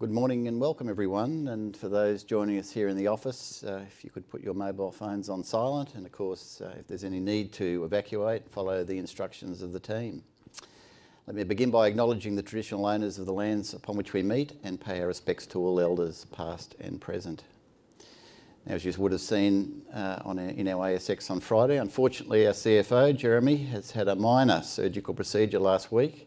Good morning, and welcome, everyone, and for those joining us here in the office, if you could put your mobile phones on silent, and of course, if there's any need to evacuate, follow the instructions of the team. Let me begin by acknowledging the traditional owners of the lands upon which we meet, and pay our respects to all elders, past and present. As you would've seen, on our, in our ASX on Friday, unfortunately, our CFO, Jeremy, has had a minor surgical procedure last week,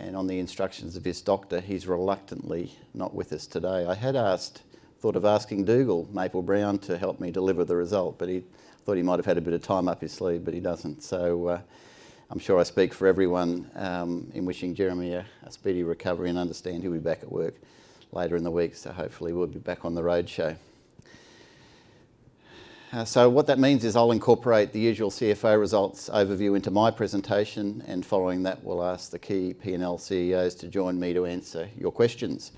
and on the instructions of his doctor, he's reluctantly not with us today. I thought of asking Dougal Maple-Brown to help me deliver the result, but he thought he might have had a bit of time up his sleeve, but he doesn't. I'm sure I speak for everyone in wishing Jeremy a speedy recovery, and understand he'll be back at work later in the week, so hopefully he will be back on the roadshow. What that means is I'll incorporate the usual CFO results overview into my presentation, and following that, we'll ask the key P&L CEOs to join me to answer your questions.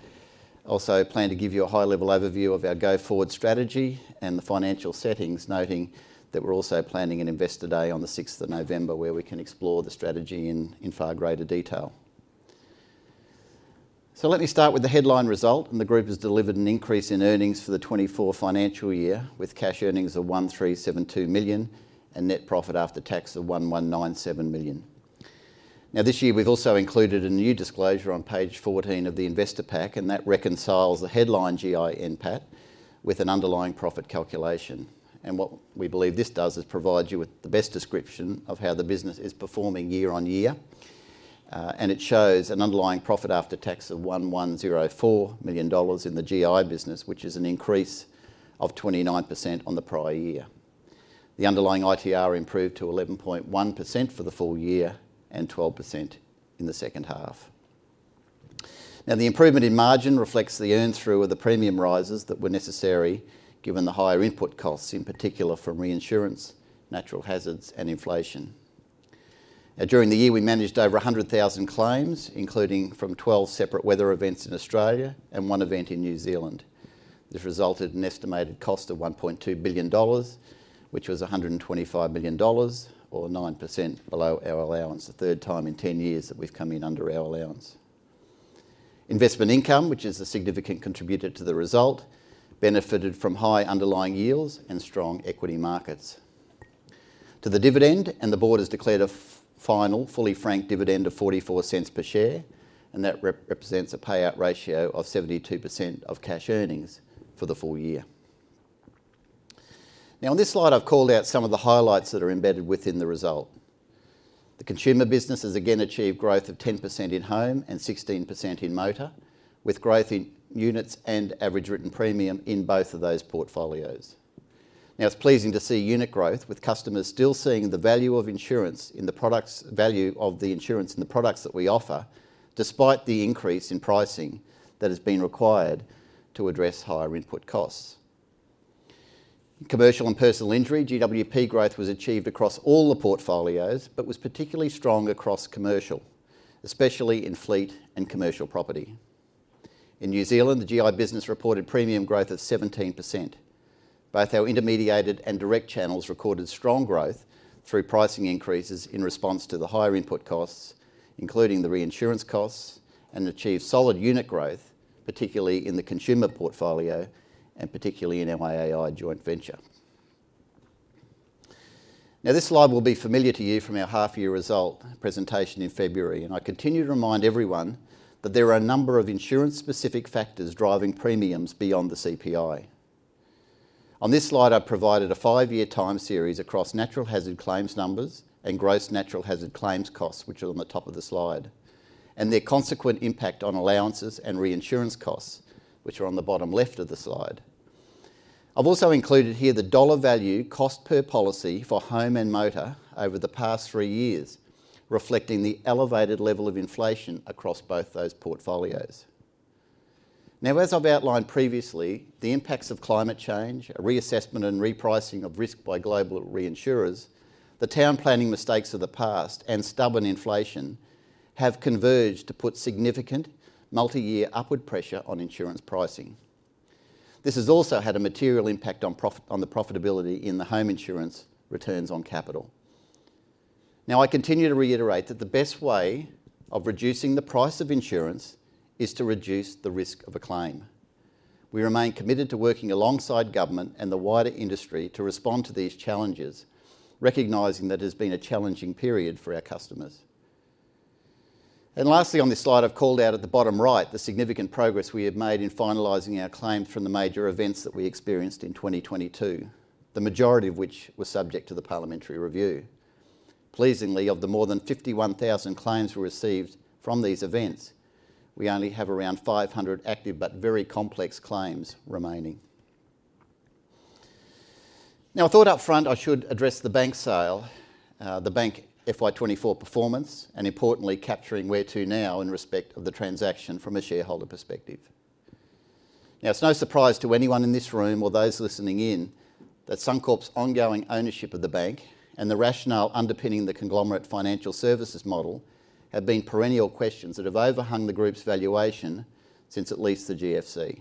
I also plan to give you a high-level overview of our go-forward strategy and the financial settings, noting that we're also planning an investor day on the 6th of November, where we can explore the strategy in far greater detail. So let me start with the headline result, and the group has delivered an increase in earnings for the 2024 financial year, with cash earnings of 1,372 million and net profit after tax of 1,197 million. Now, this year we've also included a new disclosure on page 14 of the investor pack, and that reconciles the headline GI NPAT with an underlying profit calculation, and what we believe this does is provide you with the best description of how the business is performing year on year. And it shows an underlying profit after tax of 1,104 million dollars in the GI business, which is an increase of 29% on the prior year. The underlying ITR improved to 11.1% for the full year and 12% in the second half. Now, the improvement in margin reflects the earn through of the premium rises that were necessary, given the higher input costs, in particular from reinsurance, natural hazards, and inflation. During the year, we managed over 100,000 claims, including from 12 separate weather events in Australia and one event in New Zealand. This resulted in estimated cost of $1.2 billion, which was $125 million, or 9% below our allowance, the third time in ten years that we've come in under our allowance. Investment income, which is a significant contributor to the result, benefited from high underlying yields and strong equity markets. To the dividend, and the board has declared a final, fully franked dividend of 0.44 per share, and that represents a payout ratio of 72% of cash earnings for the full year. Now, on this slide, I've called out some of the highlights that are embedded within the result. The consumer business has again achieved growth of 10% in home and 16% in motor, with growth in units and average written premium in both of those portfolios. Now, it's pleasing to see unit growth, with customers still seeing the value of the insurance in the products that we offer, despite the increase in pricing that has been required to address higher input costs. Commercial and personal injury, GWP growth was achieved across all the portfolios but was particularly strong across commercial, especially in fleet and commercial property. In New Zealand, the GI business reported premium growth of 17%. Both our intermediated and direct channels recorded strong growth through pricing increases in response to the higher input costs, including the reinsurance costs, and achieved solid unit growth, particularly in the consumer portfolio and particularly in our AAI joint venture. Now, this slide will be familiar to you from our half-year result presentation in February, and I continue to remind everyone that there are a number of insurance-specific factors driving premiums beyond the CPI. On this slide, I've provided a five-year time series across natural hazard claims numbers and gross natural hazard claims costs, which are on the top of the slide, and their consequent impact on allowances and reinsurance costs, which are on the bottom left of the slide. I've also included here the dollar value cost per policy for home and motor over the past three years, reflecting the elevated level of inflation across both those portfolios. Now, as I've outlined previously, the impacts of climate change, a reassessment and repricing of risk by global reinsurers, the town planning mistakes of the past, and stubborn inflation have converged to put significant multi-year upward pressure on insurance pricing. This has also had a material impact on profitability in the home insurance returns on capital. Now, I continue to reiterate that the best way of reducing the price of insurance is to reduce the risk of a claim. We remain committed to working alongside government and the wider industry to respond to these challenges, recognizing that it has been a challenging period for our customers. And lastly, on this slide, I've called out at the bottom right, the significant progress we have made in finalizing our claims from the major events that we experienced in 2022, the majority of which were subject to the parliamentary review. Pleasingly, of the more than 51,000 claims we received from these events, we only have around 500 active but very complex claims remaining. Now, I thought up front I should address the bank sale, the bank FY24 performance, and importantly, capturing where to now in respect of the transaction from a shareholder perspective. Now, it's no surprise to anyone in this room or those listening in that Suncorp's ongoing ownership of the bank and the rationale underpinning the conglomerate financial services model have been perennial questions that have overhung the group's valuation since at least the GFC,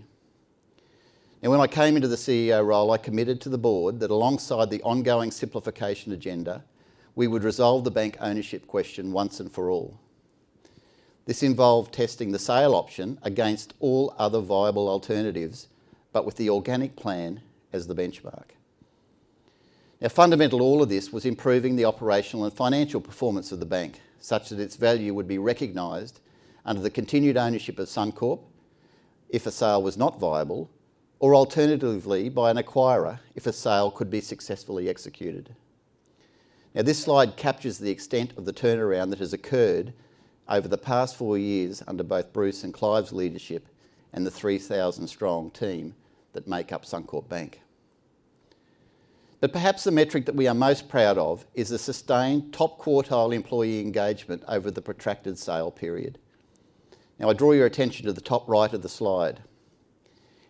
and when I came into the CEO role, I committed to the board that alongside the ongoing simplification agenda, we would resolve the bank ownership question once and for all. This involved testing the sale option against all other viable alternatives, but with the organic plan as the benchmark. Now, fundamental to all of this was improving the operational and financial performance of the bank, such that its value would be recognized under the continued ownership of Suncorp, if a sale was not viable, or alternatively, by an acquirer, if a sale could be successfully executed. Now, this slide captures the extent of the turnaround that has occurred over the past four years under both Bruce and Clive's leadership, and the 3,000-strong team that make up Suncorp Bank. But perhaps the metric that we are most proud of is the sustained top-quartile employee engagement over the protracted sale period. Now, I draw your attention to the top right of the slide.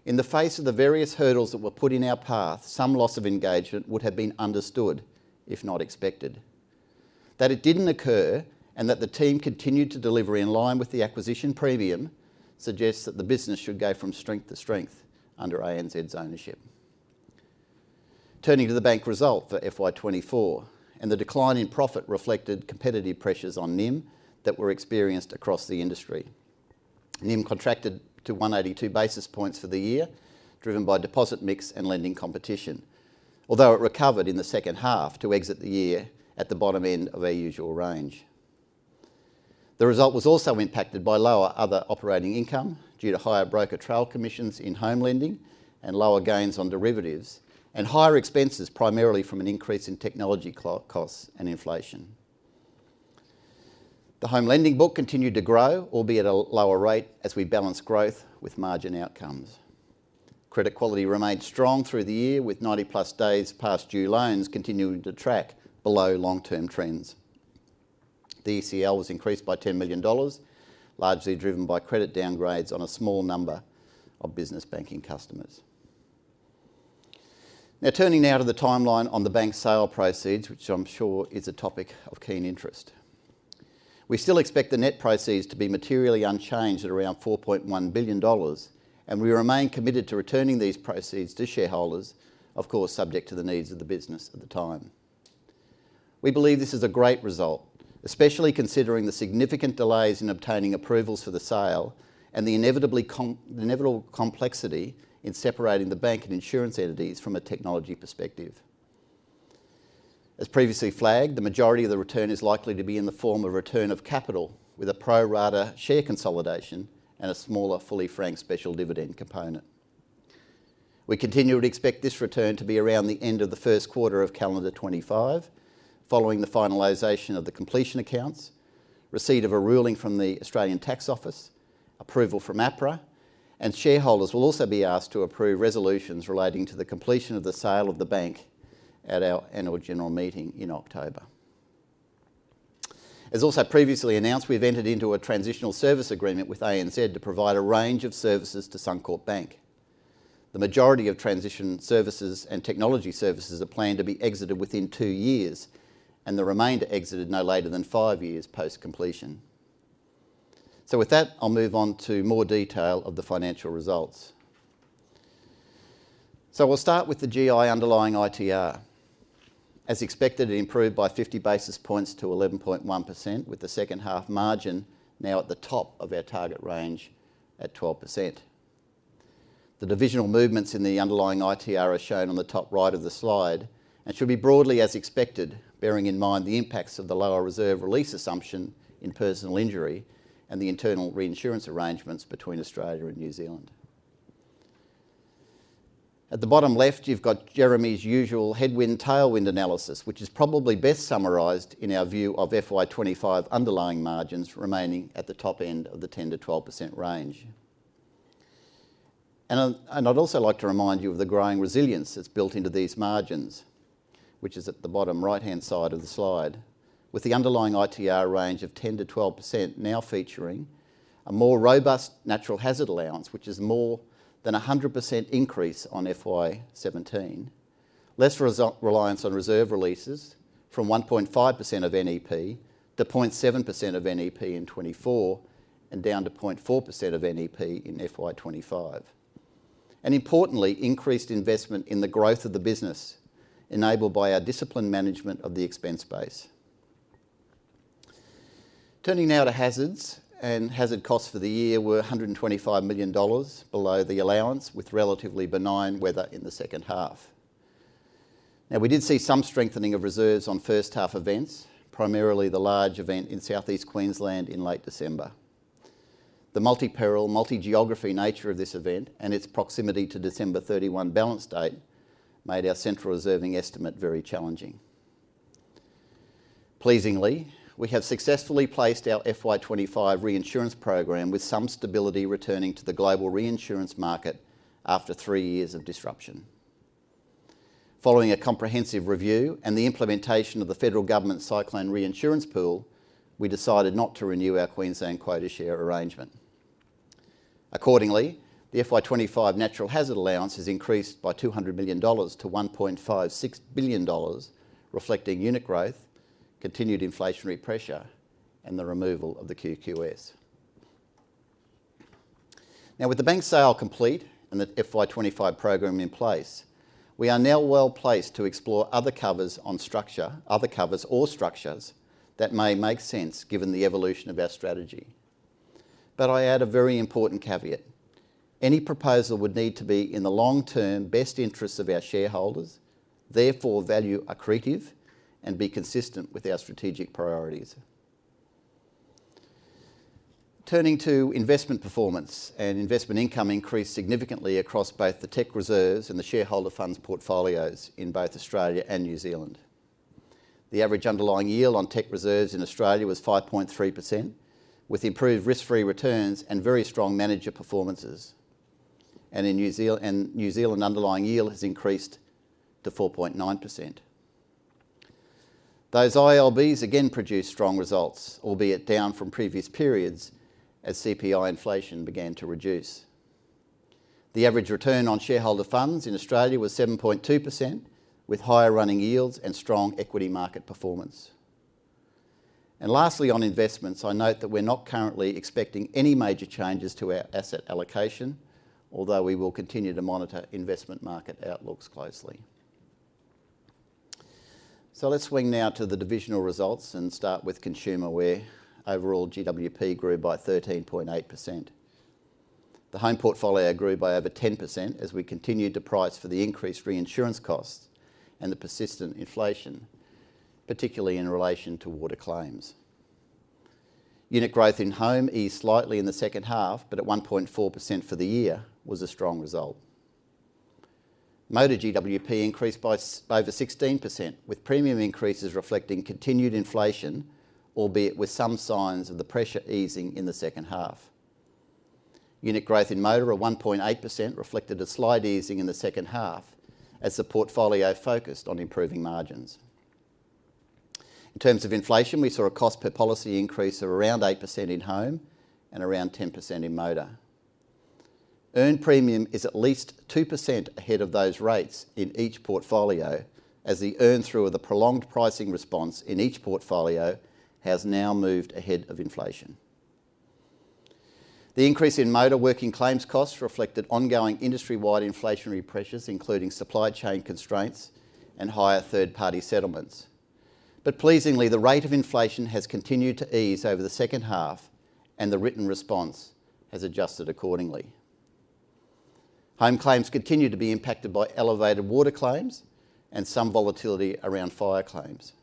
In the face of the various hurdles that were put in our path, some loss of engagement would have been understood, if not expected. That it didn't occur, and that the team continued to deliver in line with the acquisition premium, suggests that the business should go from strength to strength under ANZ's ownership. Turning to the bank result for FY24, and the decline in profit reflected competitive pressures on NIM that were experienced across the industry. NIM contracted to 182 basis points for the year, driven by deposit mix and lending competition, although it recovered in the second half to exit the year at the bottom end of our usual range. The result was also impacted by lower other operating income due to higher broker trail commissions in home lending and lower gains on derivatives, and higher expenses, primarily from an increase in technology costs and inflation. The home lending book continued to grow, albeit at a lower rate, as we balance growth with margin outcomes. Credit quality remained strong through the year, with ninety-plus days past due loans continuing to track below long-term trends. The ECL was increased by 10 million dollars, largely driven by credit downgrades on a small number of business banking customers. Now, turning to the timeline on the bank's sale proceeds, which I'm sure is a topic of keen interest. We still expect the net proceeds to be materially unchanged at around 4.1 billion dollars, and we remain committed to returning these proceeds to shareholders, of course, subject to the needs of the business at the time. We believe this is a great result, especially considering the significant delays in obtaining approvals for the sale and the inevitable complexity in separating the bank and insurance entities from a technology perspective. As previously flagged, the majority of the return is likely to be in the form of return of capital, with a pro-rata share consolidation and a smaller, fully franked special dividend component. We continue to expect this return to be around the end of the first quarter of calendar 2025, following the finalization of the completion accounts, receipt of a ruling from the Australian Taxation Office, approval from APRA. Shareholders will also be asked to approve resolutions relating to the completion of the sale of the bank at our annual general meeting in October. As also previously announced, we've entered into a transitional service agreement with ANZ to provide a range of services to Suncorp Bank. The majority of transition services and technology services are planned to be exited within two years, and the remainder exited no later than five years post-completion. So with that, I'll move on to more detail of the financial results. So we'll start with the GI underlying ITR. As expected, it improved by 50 basis points to 11.1%, with the second half margin now at the top of our target range at 12%. The divisional movements in the underlying ITR are shown on the top right of the slide and should be broadly as expected, bearing in mind the impacts of the lower reserve release assumption in personal injury and the internal reinsurance arrangements between Australia and New Zealand. At the bottom left, you've got Jeremy's usual headwind/tailwind analysis, which is probably best summarized in our view of FY25 underlying margins remaining at the top end of the 10%-12% range. I'd also like to remind you of the growing resilience that's built into these margins, which is at the bottom right-hand side of the slide. With the underlying ITR range of 10%-12% now featuring a more robust natural hazard allowance, which is more than 100% increase on FY17. Less reliance on reserve releases from 1.5% of NEP to 0.7% of NEP in 2024, and down to 0.4% of NEP in FY25. Importantly, increased investment in the growth of the business, enabled by our disciplined management of the expense base. Turning now to hazards, hazard costs for the year were 125 million dollars below the allowance, with relatively benign weather in the second half. Now, we did see some strengthening of reserves on first-half events, primarily the large event in Southeast Queensland in late December. The multi-peril, multi-geography nature of this event and its proximity to December thirty-one balance date made our central reserving estimate very challenging. Pleasingly, we have successfully placed our FY 2025 reinsurance program with some stability, returning to the global reinsurance market after three years of disruption. Following a comprehensive review and the implementation of the federal government cyclone reinsurance pool, we decided not to renew our Queensland quota share arrangement. Accordingly, the FY25 natural hazard allowance has increased by AUD 200 million to AUD 1.56 billion, reflecting unit growth, continued inflationary pressure, and the removal of the QQS. Now, with the bank sale complete and the FY25 program in place, we are now well-placed to explore other covers on structure, other covers or structures that may make sense given the evolution of our strategy. But I add a very important caveat: Any proposal would need to be in the long-term best interests of our shareholders, therefore, value accretive and be consistent with our strategic priorities. Turning to investment performance, and investment income increased significantly across both the tech reserves and the shareholder funds portfolios in both Australia and New Zealand. The average underlying yield on tech reserves in Australia was 5.3%, with improved risk-free returns and very strong manager performances. And in New Zealand, underlying yield has increased to 4.9%. Those ILBs again produced strong results, albeit down from previous periods, as CPI inflation began to reduce. The average return on shareholder funds in Australia was 7.2%, with higher running yields and strong equity market performance. And lastly, on investments, I note that we're not currently expecting any major changes to our asset allocation, although we will continue to monitor investment market outlooks closely. So let's swing now to the divisional results and start with consumer, where overall GWP grew by 13.8%. The home portfolio grew by over 10% as we continued to price for the increased reinsurance costs and the persistent inflation, particularly in relation to water claims. Unit growth in home eased slightly in the second half, but at 1.4% for the year, was a strong result. Motor GWP increased by over 16%, with premium increases reflecting continued inflation, albeit with some signs of the pressure easing in the second half. Unit growth in motor of 1.8% reflected a slight easing in the second half as the portfolio focused on improving margins. In terms of inflation, we saw a cost per policy increase of around 8% in home and around 10% in motor. Earned premium is at least 2% ahead of those rates in each portfolio, as the earn through of the prolonged pricing response in each portfolio has now moved ahead of inflation. The increase in motor working claims costs reflected ongoing industry-wide inflationary pressures, including supply chain constraints and higher third-party settlements. But pleasingly, the rate of inflation has continued to ease over the second half, and the written response has adjusted accordingly. Home claims continue to be impacted by elevated water claims and some volatility around fire claims.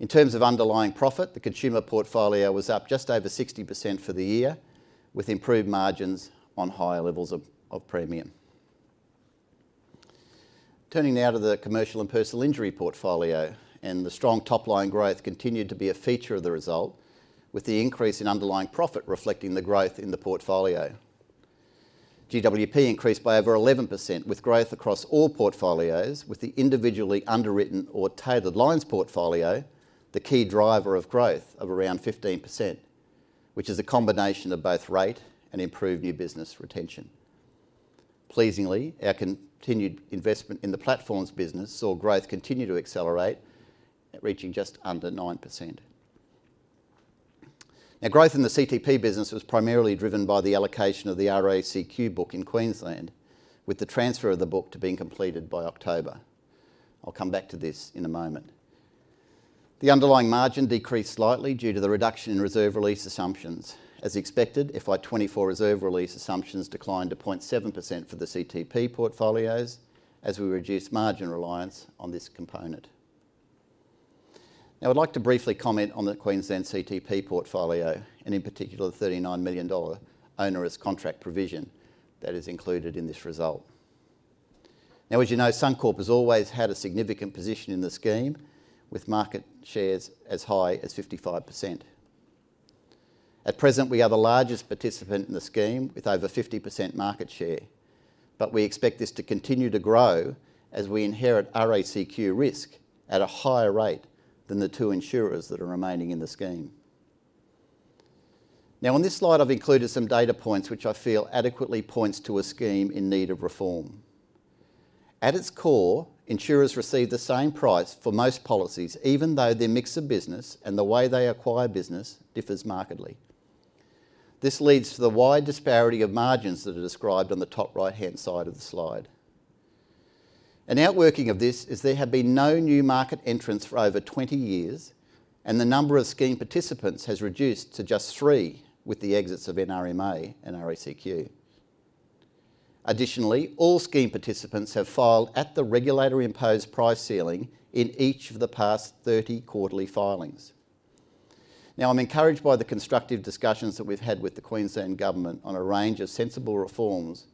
In terms of underlying profit, the consumer portfolio was up just over 60% for the year, with improved margins on higher levels of premium. Turning now to the commercial and personal injury portfolio, and the strong top-line growth continued to be a feature of the result, with the increase in underlying profit reflecting the growth in the portfolio. GWP increased by over 11%, with growth across all portfolios, with the individually underwritten or tailored lines portfolio, the key driver of growth of around 15%, which is a combination of both rate and improved new business retention. Pleasingly, our continued investment in the platforms business saw growth continue to accelerate, reaching just under 9%. Now, growth in the CTP business was primarily driven by the allocation of the RACQ book in Queensland, with the transfer of the book to being completed by October. I'll come back to this in a moment. The underlying margin decreased slightly due to the reduction in reserve release assumptions. As expected, FY24 reserve release assumptions declined to 0.7% for the CTP portfolios as we reduced margin reliance on this component. Now, I'd like to briefly comment on the Queensland CTP portfolio and, in particular, the 39 million dollar onerous contract provision that is included in this result. Now, as you know, Suncorp has always had a significant position in the scheme, with market shares as high as 55%. At present, we are the largest participant in the scheme, with over 50% market share, but we expect this to continue to grow as we inherit RACQ risk at a higher rate than the two insurers that are remaining in the scheme. Now, on this slide, I've included some data points which I feel adequately points to a scheme in need of reform. At its core, insurers receive the same price for most policies, even though their mix of business and the way they acquire business differs markedly. This leads to the wide disparity of margins that are described on the top right-hand side of the slide. An outworking of this is there have been no new market entrants for over 20 years, and the number of scheme participants has reduced to just three, with the exits of NRMA and RACQ. Additionally, all scheme participants have filed at the regulator-imposed price ceiling in each of the past thirty quarterly filings. Now, I'm encouraged by the constructive discussions that we've had with the Queensland Government on a range of sensible reforms,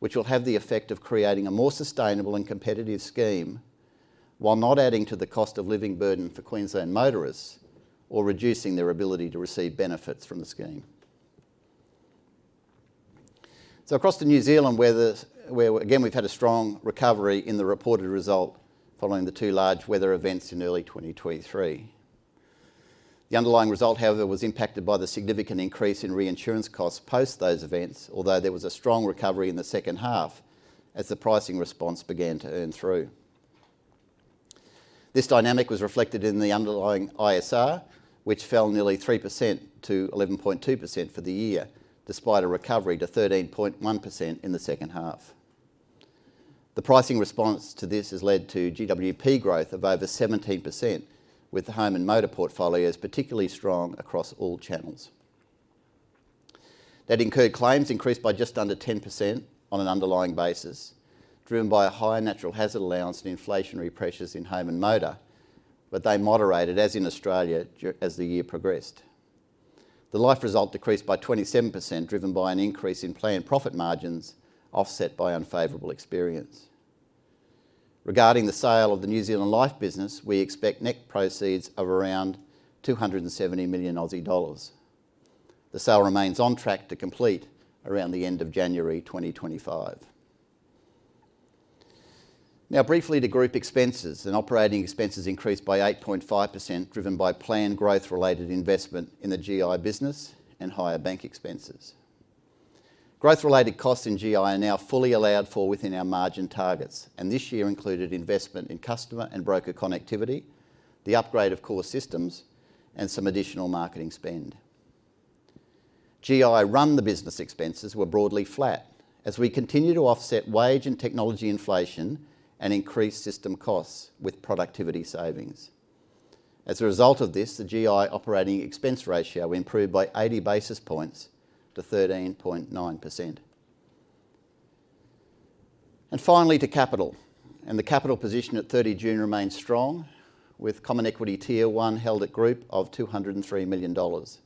which will have the effect of creating a more sustainable and competitive scheme, while not adding to the cost of living burden for Queensland motorists or reducing their ability to receive benefits from the scheme. So across to New Zealand, where, again, we've had a strong recovery in the reported result following the two large weather events in early 2023. The underlying result, however, was impacted by the significant increase in reinsurance costs post those events, although there was a strong recovery in the second half as the pricing response began to earn through. This dynamic was reflected in the underlying ISR, which fell nearly 3%-11.2% for the year, despite a recovery to 13.1% in the second half. The pricing response to this has led to GWP growth of over 17%, with the home and motor portfolios particularly strong across all channels. That incurred claims increased by just under 10% on an underlying basis, driven by a higher natural hazard allowance and inflationary pressures in home and motor, but they moderated, as in Australia, as the year progressed. The life result decreased by 27%, driven by an increase in planned profit margins, offset by unfavorable experience. Regarding the sale of the New Zealand life business, we expect net proceeds of around 270 million Aussie dollars. The sale remains on track to complete around the end of January 2025. Now, briefly to group expenses and operating expenses increased by 8.5%, driven by planned growth-related investment in the GI business and higher bank expenses. Growth-related costs in GI are now fully allowed for within our margin targets, and this year included investment in customer and broker connectivity, the upgrade of core systems, and some additional marketing spend. GI run the business expenses were broadly flat as we continue to offset wage and technology inflation and increase system costs with productivity savings. As a result of this, the GI operating expense ratio improved by eighty basis points to 13.9%. Finally, to capital, the capital position at 30 June remains strong, with Common Equity Tier 1 held at Group of 203 million dollars.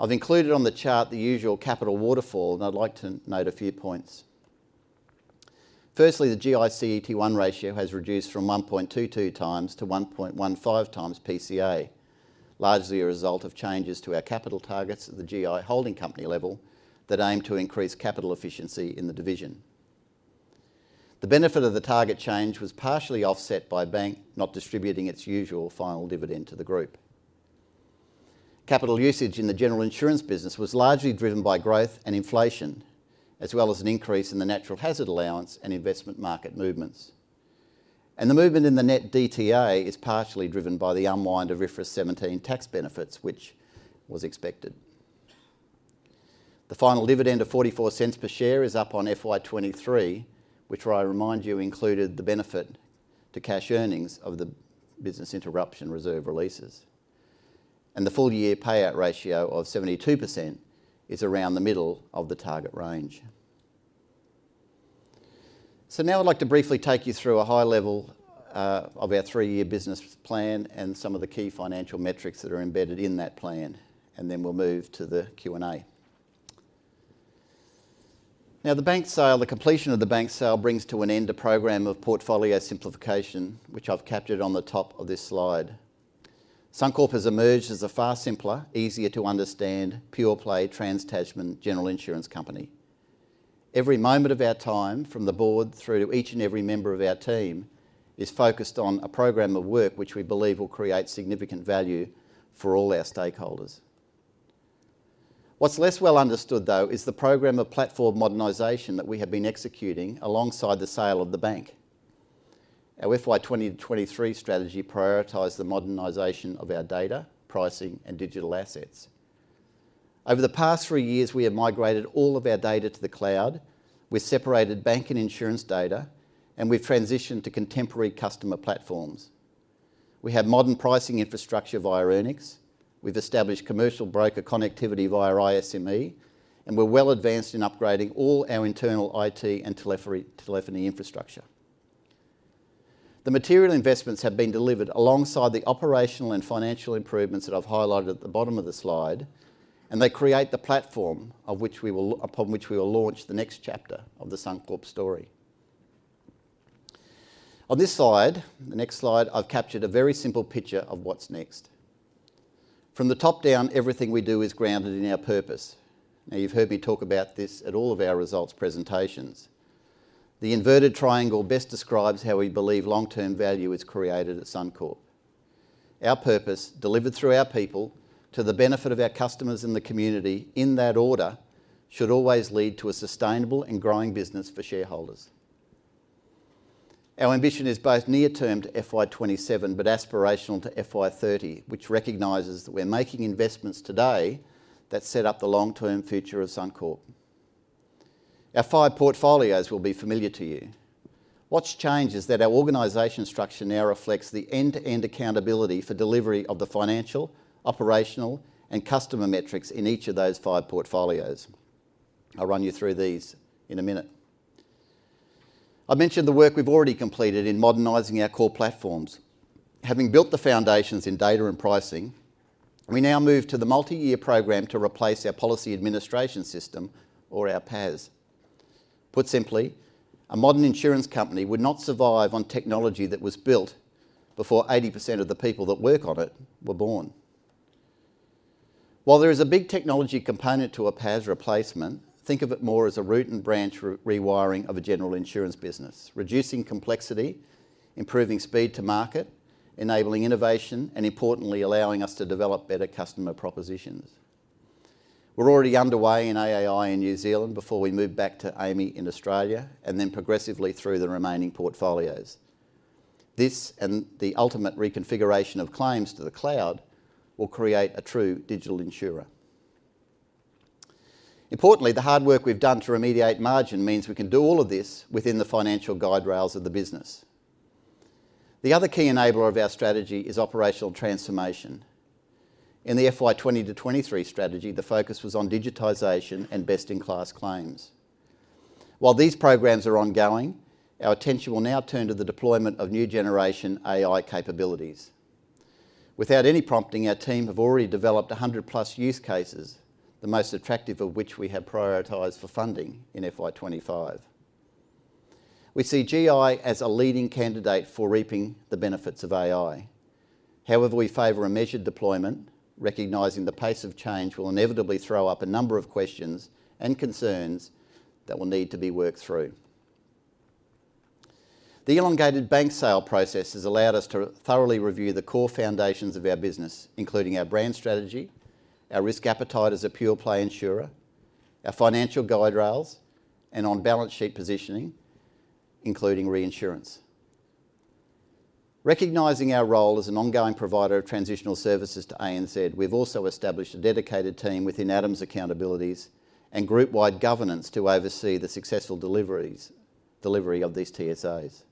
I've included on the chart the usual capital waterfall, and I'd like to note a few points. Firstly, the GI CET1 ratio has reduced from 1.22x to 1.15x PCA, largely a result of changes to our capital targets at the GI holding company level that aim to increase capital efficiency in the division. The benefit of the target change was partially offset by Bank not distributing its usual final dividend to the group. Capital usage in the general insurance business was largely driven by growth and inflation, as well as an increase in the natural hazard allowance and investment market movements, and the movement in the net DTA is partially driven by the unwind of IFRS 17 tax benefits, which was expected. The final dividend of 0.44 per share is up on FY23, which I remind you, included the benefit to cash earnings of the business interruption reserve releases. The full year payout ratio of 72% is around the middle of the target range. Now I'd like to briefly take you through a high level of our three-year business plan and some of the key financial metrics that are embedded in that plan, and then we'll move to the Q&A. Now, the bank sale, the completion of the bank sale brings to an end a program of portfolio simplification, which I've captured on the top of this slide. Suncorp has emerged as a far simpler, easier to understand, pure-play Trans-Tasman general insurance company. Every moment of our time, from the board through to each and every member of our team, is focused on a program of work which we believe will create significant value for all our stakeholders. What's less well understood, though, is the program of platform modernization that we have been executing alongside the sale of the bank. Our FY23 strategy prioritized the modernization of our data, pricing, and digital assets. Over the past three years, we have migrated all of our data to the cloud. We've separated bank and insurance data, and we've transitioned to contemporary customer platforms. We have modern pricing infrastructure via Earnix. We've established commercial broker connectivity via ISME, and we're well advanced in upgrading all our internal IT and telephony infrastructure. The material investments have been delivered alongside the operational and financial improvements that I've highlighted at the bottom of the slide, and they create the platform upon which we will launch the next chapter of the Suncorp story. On the next slide, I've captured a very simple picture of what's next. From the top down, everything we do is grounded in our purpose. Now, you've heard me talk about this at all of our results presentations. The inverted triangle best describes how we believe long-term value is created at Suncorp. Our purpose, delivered through our people to the benefit of our customers and the community, in that order, should always lead to a sustainable and growing business for shareholders. Our ambition is both near term to FY27, but aspirational to FY30, which recognizes that we're making investments today that set up the long-term future of Suncorp. Our five portfolios will be familiar to you. What's changed is that our organization structure now reflects the end-to-end accountability for delivery of the financial, operational, and customer metrics in each of those five portfolios. I'll run you through these in a minute. I mentioned the work we've already completed in modernizing our core platforms. Having built the foundations in data and pricing, we now move to the multi-year program to replace our policy administration system, or our PAS. Put simply, a modern insurance company would not survive on technology that was built before 80% of the people that work on it were born.... While there is a big technology component to a PAS replacement, think of it more as a root and branch re-rewiring of a general insurance business, reducing complexity, improving speed to market, enabling innovation, and importantly, allowing us to develop better customer propositions. We're already underway in AAI in New Zealand before we move back to AAMI in Australia, and then progressively through the remaining portfolios. This, and the ultimate reconfiguration of claims to the cloud, will create a true digital insurer. Importantly, the hard work we've done to remediate margin means we can do all of this within the financial guide rails of the business. The other key enabler of our strategy is operational transformation. In the FY20-FY23 strategy, the focus was on digitization and best-in-class claims. While these programs are ongoing, our attention will now turn to the deployment of new generation AI capabilities. Without any prompting, our team have already developed 100-plus use cases, the most attractive of which we have prioritized for funding in FY25. We see GI as a leading candidate for reaping the benefits of AI. However, we favor a measured deployment, recognizing the pace of change will inevitably throw up a number of questions and concerns that will need to be worked through. The elongated bank sale process has allowed us to thoroughly review the core foundations of our business, including our brand strategy, our risk appetite as a pure play insurer, our financial guide rails, and on balance sheet positioning, including reinsurance. Recognizing our role as an ongoing provider of transitional services to ANZ, we've also established a dedicated team within Adam's accountabilities and group-wide governance to oversee the successful delivery of these TSAs.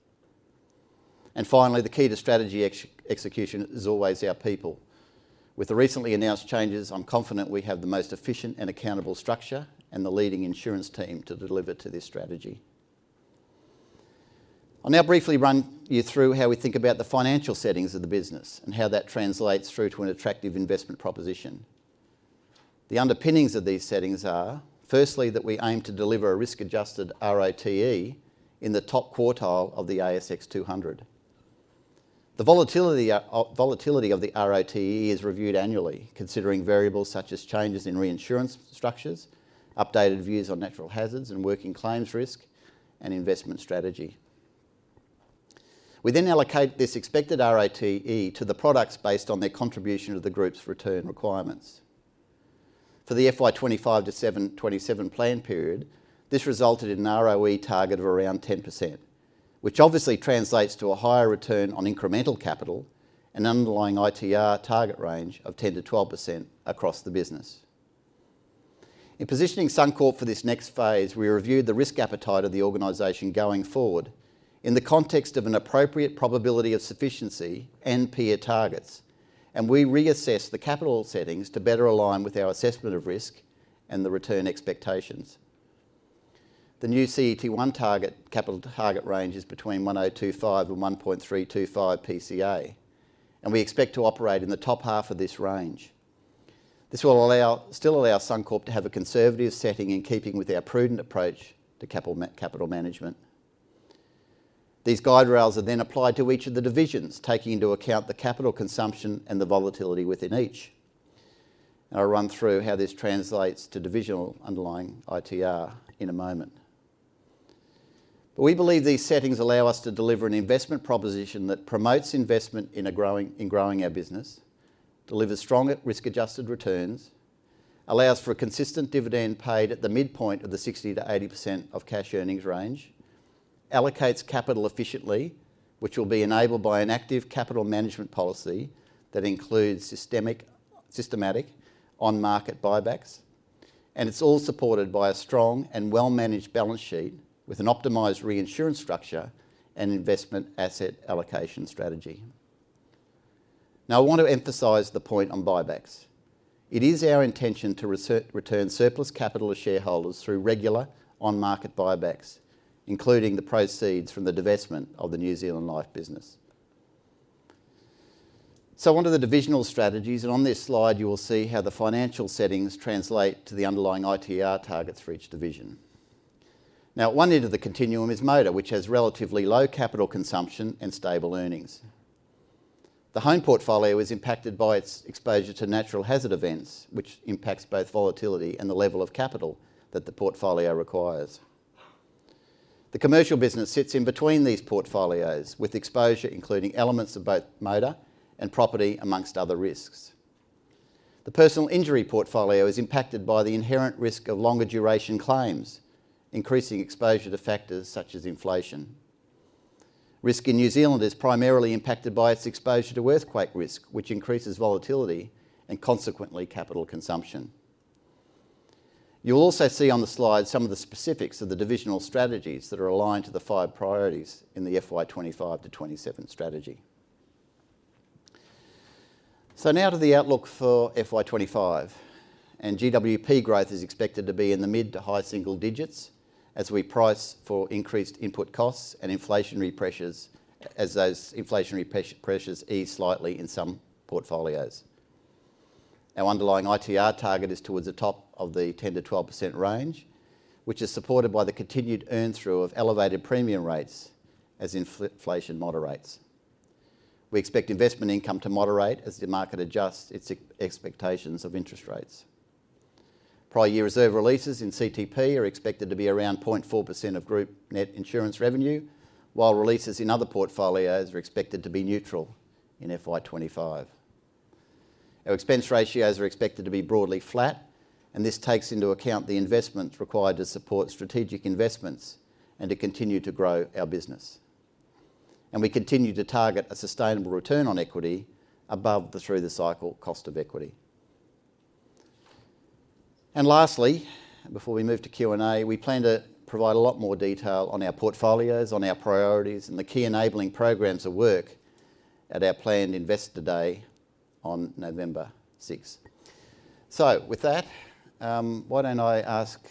Finally, the key to strategy execution is always our people. With the recently announced changes, I'm confident we have the most efficient and accountable structure and the leading insurance team to deliver to this strategy. I'll now briefly run you through how we think about the financial settings of the business and how that translates through to an attractive investment proposition. The underpinnings of these settings are, firstly, that we aim to deliver a risk-adjusted RITE in the top quartile of the ASX 200. The volatility of the RITE is reviewed annually, considering variables such as changes in reinsurance structures, updated views on natural hazards and working claims risk, and investment strategy. We then allocate this expected RITE to the products based on their contribution to the group's return requirements. For the FY25 to 2027 plan period, this resulted in an ROE target of around 10%, which obviously translates to a higher return on incremental capital and underlying ITR target range of 10%-12% across the business. In positioning Suncorp for this next phase, we reviewed the risk appetite of the organization going forward in the context of an appropriate probability of sufficiency and peer targets, and we reassessed the capital settings to better align with our assessment of risk and the return expectations. The new CET1 target, capital target range is between 1.025 and 1.325 PCA, and we expect to operate in the top half of this range. This will allow, still allow Suncorp to have a conservative setting in keeping with our prudent approach to capital management. These guide rails are then applied to each of the divisions, taking into account the capital consumption and the volatility within each. I'll run through how this translates to divisional underlying ITR in a moment. We believe these settings allow us to deliver an investment proposition that promotes investment in growing our business, delivers strong risk-adjusted returns, allows for a consistent dividend paid at the midpoint of the 60%-80% of cash earnings range, allocates capital efficiently, which will be enabled by an active capital management policy that includes systematic on-market buybacks, and it's all supported by a strong and well-managed balance sheet with an optimized reinsurance structure and investment asset allocation strategy. Now, I want to emphasize the point on buybacks. It is our intention to return surplus capital to shareholders through regular on-market buybacks, including the proceeds from the divestment of the New Zealand life business. On to the divisional strategies, and on this slide, you will see how the financial settings translate to the underlying ITR targets for each division. Now, at one end of the continuum is motor, which has relatively low capital consumption and stable earnings. The home portfolio is impacted by its exposure to natural hazard events, which impacts both volatility and the level of capital that the portfolio requires. The commercial business sits in between these portfolios, with exposure including elements of both motor and property, amongst other risks. The personal injury portfolio is impacted by the inherent risk of longer duration claims, increasing exposure to factors such as inflation. Risk in New Zealand is primarily impacted by its exposure to earthquake risk, which increases volatility and consequently, capital consumption. You'll also see on the slide some of the specifics of the divisional strategies that are aligned to the five priorities in the FY25 to FY27 strategy. Now to the outlook for FY25, and GWP growth is expected to be in the mid to high single digits as we price for increased input costs and inflationary pressures, as those inflationary pressures ease slightly in some portfolios. Our underlying ITR target is towards the top of the 10%-12% range, which is supported by the continued earn through of elevated premium rates as inflation moderates. We expect investment income to moderate as the market adjusts its expectations of interest rates. Prior year reserve releases in CTP are expected to be around 0.4% of group net insurance revenue, while releases in other portfolios are expected to be neutral in FY25. Our expense ratios are expected to be broadly flat, and this takes into account the investments required to support strategic investments and to continue to grow our business. We continue to target a sustainable return on equity above the through-the-cycle cost of equity. Lastly, before we move to Q&A, we plan to provide a lot more detail on our portfolios, on our priorities, and the key enabling programs at work at our planned Investor Day on November 6th. With that, why don't I ask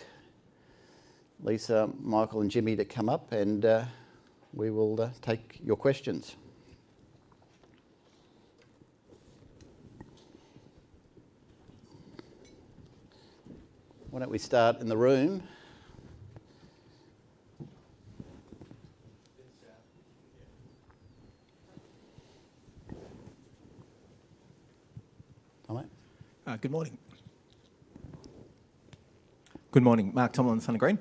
Lisa, Michael, and Jimmy to come up, and we will take your questions? Why don't we start in the room? Hello. Good morning. Good morning. Matt Tomlin, Suncorp.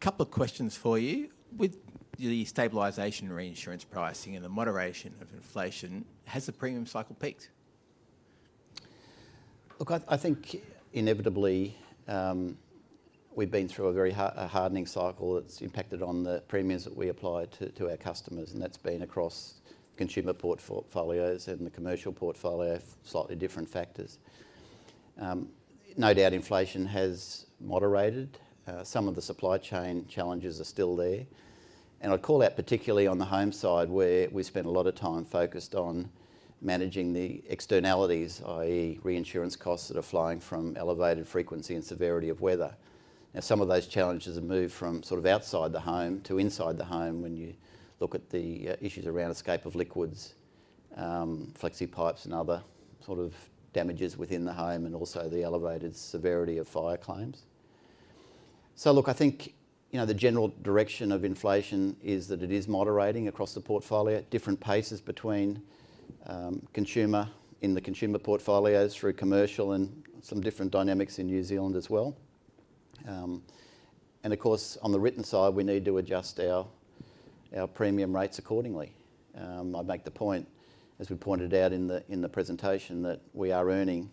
Couple of questions for you. With the stabilization in reinsurance pricing and the moderation of inflation, has the premium cycle peaked? Look, I think inevitably, we've been through a very hardening cycle that's impacted on the premiums that we apply to our customers, and that's been across consumer portfolios and the commercial portfolio, slightly different factors. No doubt inflation has moderated. Some of the supply chain challenges are still there. And I'd call out, particularly on the home side, where we spent a lot of time focused on managing the externalities, i.e., reinsurance costs that are flowing from elevated frequency and severity of weather. Now, some of those challenges have moved from sort of outside the home to inside the home, when you look at the issues around escape of liquids, flexi pipes, and other sort of damages within the home, and also the elevated severity of fire claims. So look, I think, you know, the general direction of inflation is that it is moderating across the portfolio at different paces between consumer... in the consumer portfolios, through commercial, and some different dynamics in New Zealand as well. And of course, on the written side, we need to adjust our premium rates accordingly. I make the point, as we pointed out in the presentation, that we are earning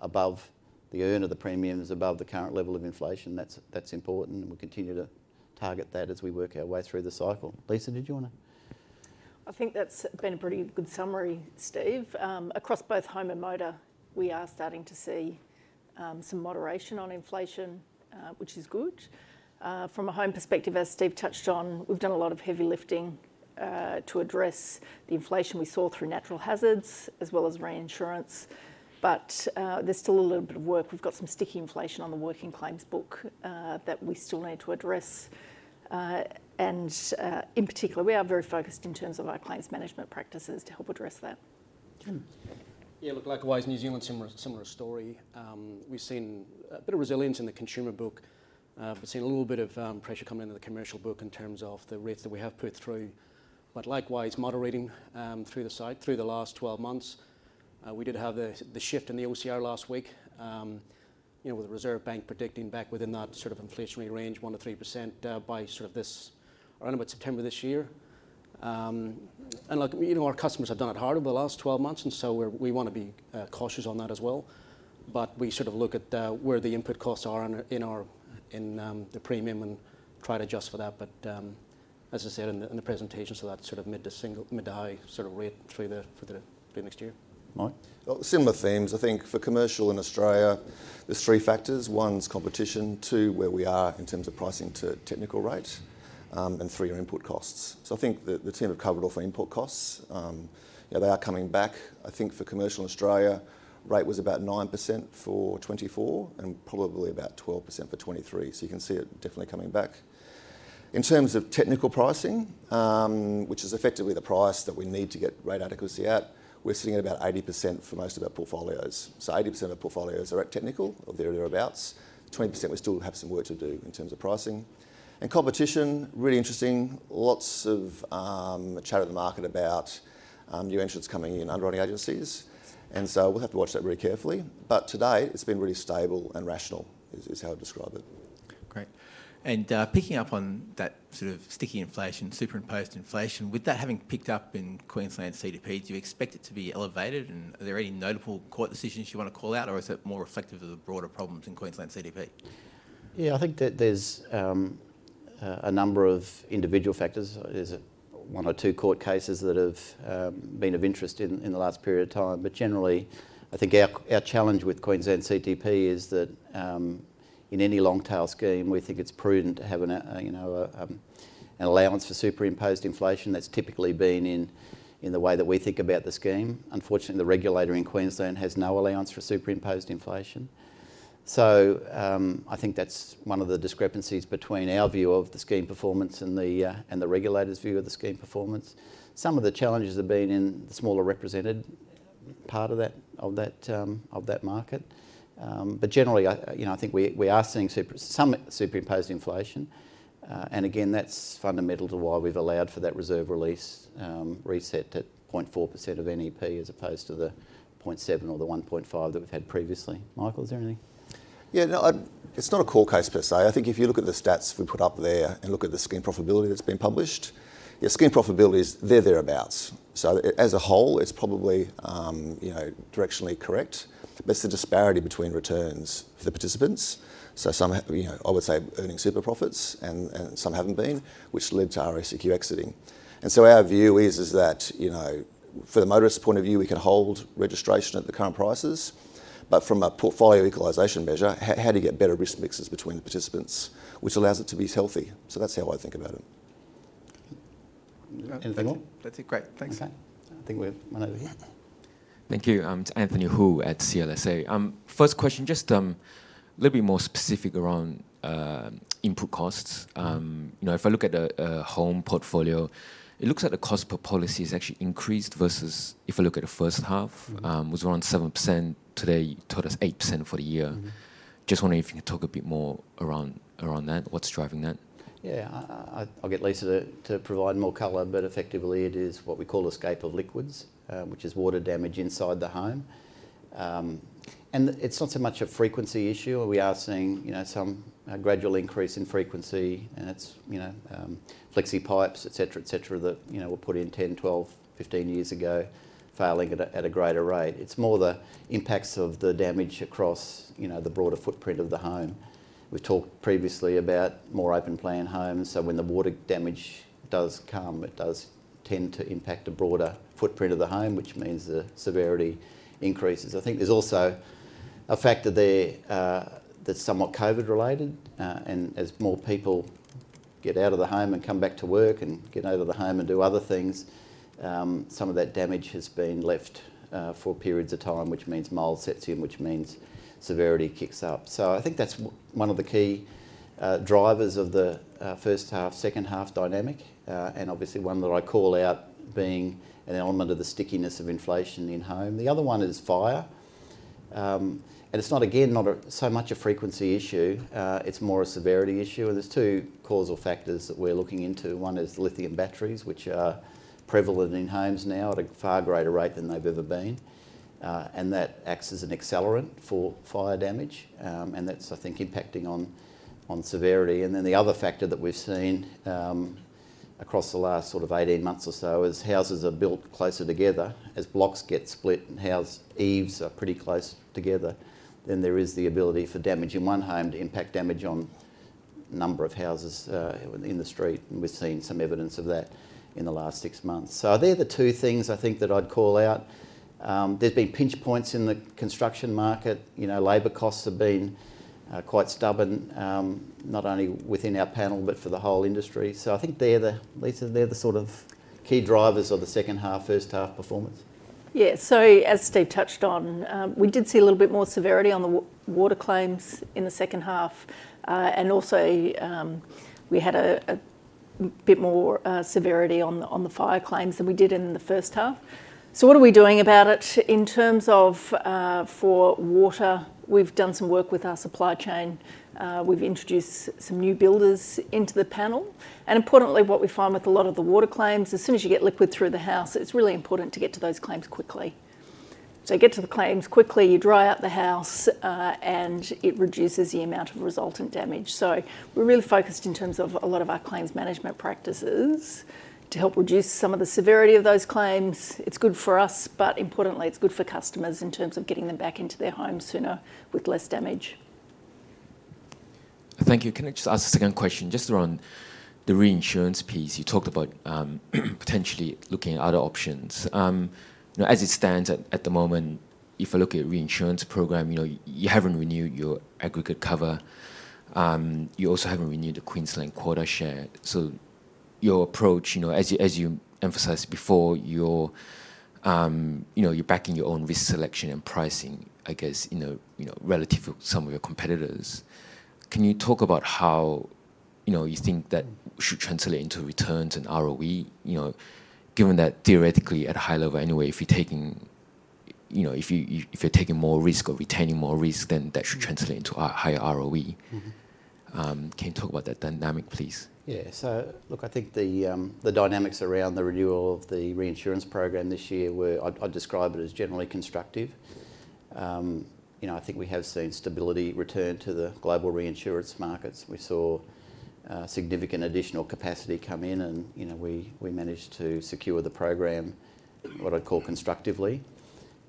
above the earn of the premiums, above the current level of inflation. That's important, and we continue to target that as we work our way through the cycle. Lisa, did you want to? I think that's been a pretty good summary, Steve. Across both home and motor, we are starting to see some moderation on inflation, which is good. From a home perspective, as Steve touched on, we've done a lot of heavy lifting to address the inflation we saw through natural hazards as well as reinsurance, but there's still a little bit of work. We've got some sticky inflation on the working claims book that we still need to address, and in particular, we are very focused in terms of our claims management practices to help address that. Jimmy? Yeah, look, likewise, New Zealand, similar, similar story. We've seen a bit of resilience in the consumer book. We've seen a little bit of pressure coming into the commercial book in terms of the rates that we have put through, but likewise moderating through the cycle through the last twelve months. We did have the shift in the OCR last week, you know, with the Reserve Bank predicting back within that sort of inflationary range, 1%-3%, by sort of this around about September this year. And look, you know, our customers have done it hard over the last twelve months, and so we want to be cautious on that as well. But we sort of look at where the input costs are in our premium and try to adjust for that. But as I said in the presentation, so that's sort of mid- to high-single sort of rate for the next year. Mike? Similar themes. I think for commercial in Australia, there's three factors: one is competition, two, where we are in terms of pricing to technical rate, and three, your input costs. So I think the team have covered off on input costs. Yeah, they are coming back. I think for commercial in Australia, rate was about 9% for 2024, and probably about 12% for 2023. So you can see it definitely coming back. In terms of technical pricing, which is effectively the price that we need to get rate adequacy at, we're sitting at about 80% for most of our portfolios. So 80% of portfolios are at technical or thereabouts. 20%, we still have some work to do in terms of pricing. And competition, really interesting. Lots of chat at the market about new entrants coming in, underwriting agencies, and so we'll have to watch that very carefully. But to date, it's been really stable and rational, is how I'd describe it. Great. And, picking up on that sort of sticky inflation, superimposed inflation, with that having picked up in Queensland CTP, do you expect it to be elevated? And are there any notable court decisions you want to call out, or is it more reflective of the broader problems in Queensland CTP? Yeah, I think that there's a number of individual factors. There's one or two court cases that have been of interest in the last period of time. But generally, I think our challenge with Queensland CTP is that in any long tail scheme, we think it's prudent to have a you know an allowance for superimposed inflation. That's typically been in the way that we think about the scheme. Unfortunately, the regulator in Queensland has no allowance for superimposed inflation. So I think that's one of the discrepancies between our view of the scheme performance and the regulator's view of the scheme performance. Some of the challenges have been in the smaller represented part of that market. But generally, you know, I think we are seeing some superimposed inflation. And again, that's fundamental to why we've allowed for that reserve release, reset at 0.4% of NEP, as opposed to the 0.7% or the 1.5% that we've had previously. Michael, is there anything? Yeah, no, it's not a core case per se. I think if you look at the stats we put up there and look at the CTP profitability that's been published, yeah, CTP profitability is there, thereabouts. So as a whole, it's probably, you know, directionally correct, but it's the disparity between returns for the participants. So some, you know, I would say, are earning super profits, and some haven't been, which led to RACQ exiting. And so our view is that, you know, for the motorist point of view, we can hold registration at the current prices, but from a portfolio equalization measure, how do you get better risk mixes between the participants, which allows it to be healthy? So that's how I think about it. Anything more? That's it. Great, thanks. Okay. I think we have one over here. Thank you. I'm Anthony Hoo at CLSA. First question, just a little bit more specific around input costs. You know, if I look at the home portfolio, it looks like the cost per policy has actually increased versus if I look at the first half, it was around 7%, today you told us 8% for the year. Mm-hmm. Just wondering if you could talk a bit more around that. What's driving that? Yeah. I'll get Lisa to provide more color, but effectively, it is what we call escape of liquids, which is water damage inside the home. And it's not so much a frequency issue, or we are seeing, you know, a gradual increase in frequency, and it's, you know, flexi pipes, et cetera, et cetera, that, you know, were put in 10, 12, 15 years ago, failing at a greater rate. It's more the impacts of the damage across, you know, the broader footprint of the home. We talked previously about more open plan homes, so when the water damage does come, it does tend to impact a broader footprint of the home, which means the severity increases. I think there's also a factor there, that's somewhat COVID-related, and as more people get out of the home and come back to work, and get out of the home and do other things, some of that damage has been left, for periods of time, which means mold sets in, which means severity kicks up. So I think that's one of the key drivers of the first half, second half dynamic, and obviously one that I call out being an element of the stickiness of inflation in home. The other one is fire. And it's not, again, not so much a frequency issue, it's more a severity issue, and there's two causal factors that we're looking into. One is lithium batteries, which are prevalent in homes now at a far greater rate than they've ever been, and that acts as an accelerant for fire damage, and that's, I think, impacting on severity, and then, the other factor that we've seen across the last sort of eighteen months or so is houses are built closer together. As blocks get split and house eaves are pretty close together, then there is the ability for damage in one home to impact damage on a number of houses in the street, and we've seen some evidence of that in the last six months, so they're the two things I think that I'd call out. There's been pinch points in the construction market. You know, labor costs have been quite stubborn, not only within our panel, but for the whole industry. I think they're the, Lisa, they're the sort of key drivers of the second half, first half performance. Yeah. So as Steve touched on, we did see a little bit more severity on the water claims in the second half. And also, we had a bit more severity on the fire claims than we did in the first half. So what are we doing about it? In terms of for water, we've done some work with our supply chain. We've introduced some new builders into the panel, and importantly, what we find with a lot of the water claims, as soon as you get liquid through the house, it's really important to get to those claims quickly. So you get to the claims quickly, you dry out the house, and it reduces the amount of resultant damage. So we're really focused in terms of a lot of our claims management practices to help reduce some of the severity of those claims. It's good for us, but importantly, it's good for customers in terms of getting them back into their homes sooner with less damage. Thank you. Can I just ask a second question, just around the reinsurance piece? You talked about potentially looking at other options. You know, as it stands at the moment, if I look at reinsurance program, you know, you haven't renewed your aggregate cover. You also haven't renewed the Queensland quota share. So your approach, you know, as you emphasized before, you're backing your own risk selection and pricing, I guess, you know, relative to some of your competitors. Can you talk about how you think that should translate into returns and ROE? You know, given that theoretically, at a high level anyway, if you're taking more risk or retaining more risk, then that should translate into a higher ROE. Mm-hmm. Can you talk about that dynamic, please? Yeah. So look, I think the dynamics around the renewal of the reinsurance program this year were. I'd describe it as generally constructive. You know, I think we have seen stability return to the global reinsurance markets. We saw significant additional capacity come in, and, you know, we managed to secure the program, what I'd call constructively.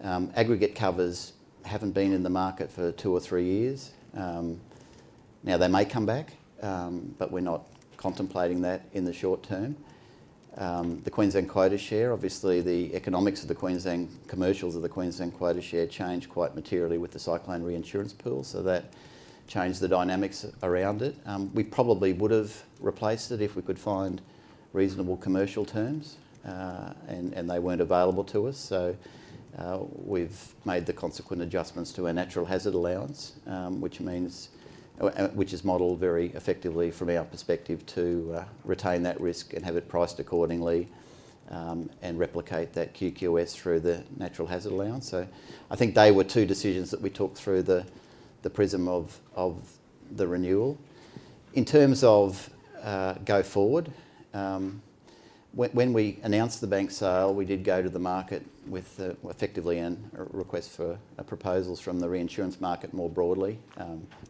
Aggregate covers haven't been in the market for two or three years. Now, they may come back, but we're not contemplating that in the short term. The Queensland quota share, obviously, the economics of the Queensland, commercials of the Queensland quota share changed quite materially with the cyclone reinsurance pool, so that changed the dynamics around it. We probably would've replaced it if we could find reasonable commercial terms, and they weren't available to us. So, we've made the consequent adjustments to our natural hazard allowance, which is modeled very effectively from our perspective to retain that risk and have it priced accordingly, and replicate that QQS through the natural hazard allowance. So I think they were two decisions that we talked through the prism of the renewal. In terms of go forward, when we announced the bank sale, we did go to the market with effectively a request for proposals from the reinsurance market more broadly.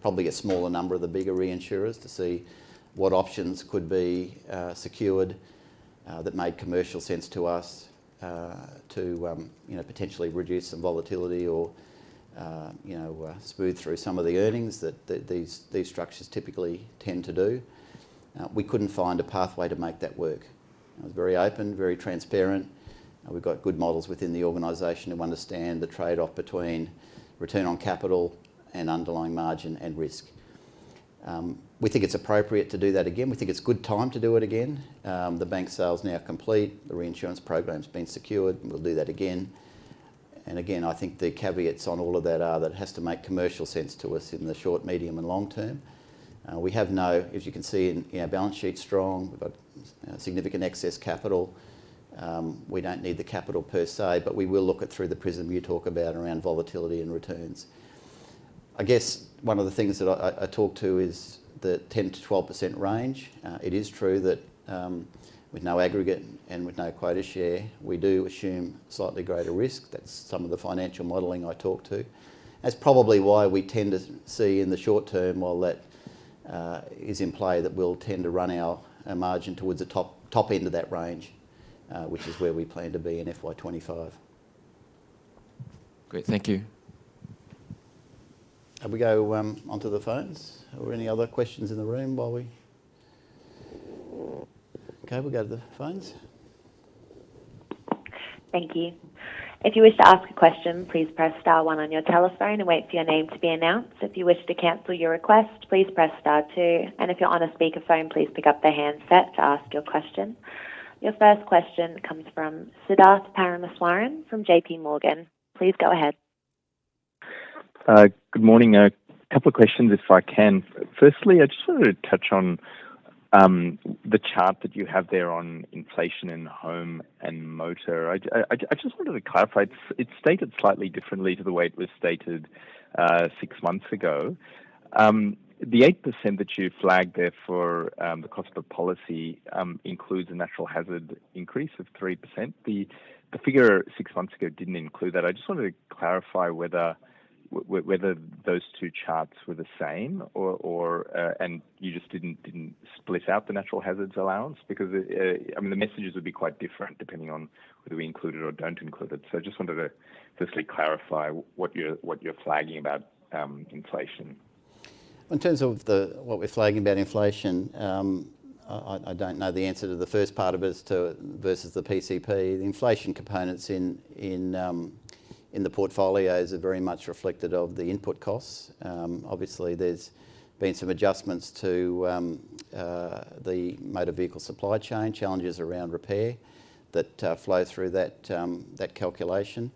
Probably a smaller number of the bigger reinsurers, to see what options could be secured, that made commercial sense to us, to you know, potentially reduce some volatility or, you know, smooth through some of the earnings that the these structures typically tend to do. We couldn't find a pathway to make that work. I was very open, very transparent, and we've got good models within the organization who understand the trade-off between return on capital and underlying margin and risk. We think it's appropriate to do that again. We think it's good time to do it again. The bank sale is now complete, the reinsurance program's been secured, and we'll do that again. Again, I think the caveats on all of that are that it has to make commercial sense to us in the short, medium, and long term. As you can see in our balance sheet, we've got significant excess capital. We don't need the capital per se, but we will look it through the prism you talk about around volatility and returns. I guess one of the things that I talked to is the 10%-12% range. It is true that with no aggregate and with no quota share, we do assume slightly greater risk. That's some of the financial modeling I talked to. That's probably why we tend to see in the short term, while that is in play, that we'll tend to run our margin towards the top end of that range, which is where we plan to be in FY25. Great, thank you. And we go onto the phones. Are there any other questions in the room while we...? Okay, we'll go to the phones. Thank you. If you wish to ask a question, please press star one on your telephone and wait for your name to be announced. If you wish to cancel your request, please press star two, and if you're on a speakerphone, please pick up the handset to ask your question. Your first question comes from Siddharth Parameswaran from JPMorgan. Please go ahead. Good morning. A couple of questions, if I can. Firstly, I just wanted to touch on the chart that you have there on inflation in home and motor. I just wanted to clarify, it's stated slightly differently to the way it was stated six months ago. The 8% that you flagged there for the cost per policy includes a natural hazard increase of 3%. The figure six months ago didn't include that. I just wanted to clarify whether those two charts were the same or and you just didn't split out the natural hazards allowance, because I mean, the messages would be quite different depending on whether we include it or don't include it. So I just wanted to firstly clarify what you're flagging about inflation. In terms of what we're flagging about inflation, I don't know the answer to the first part of it as to versus the PCP. The inflation components in the portfolios are very much reflected of the input costs. Obviously, there's been some adjustments to the motor vehicle supply chain, challenges around repair, that flow through that calculation.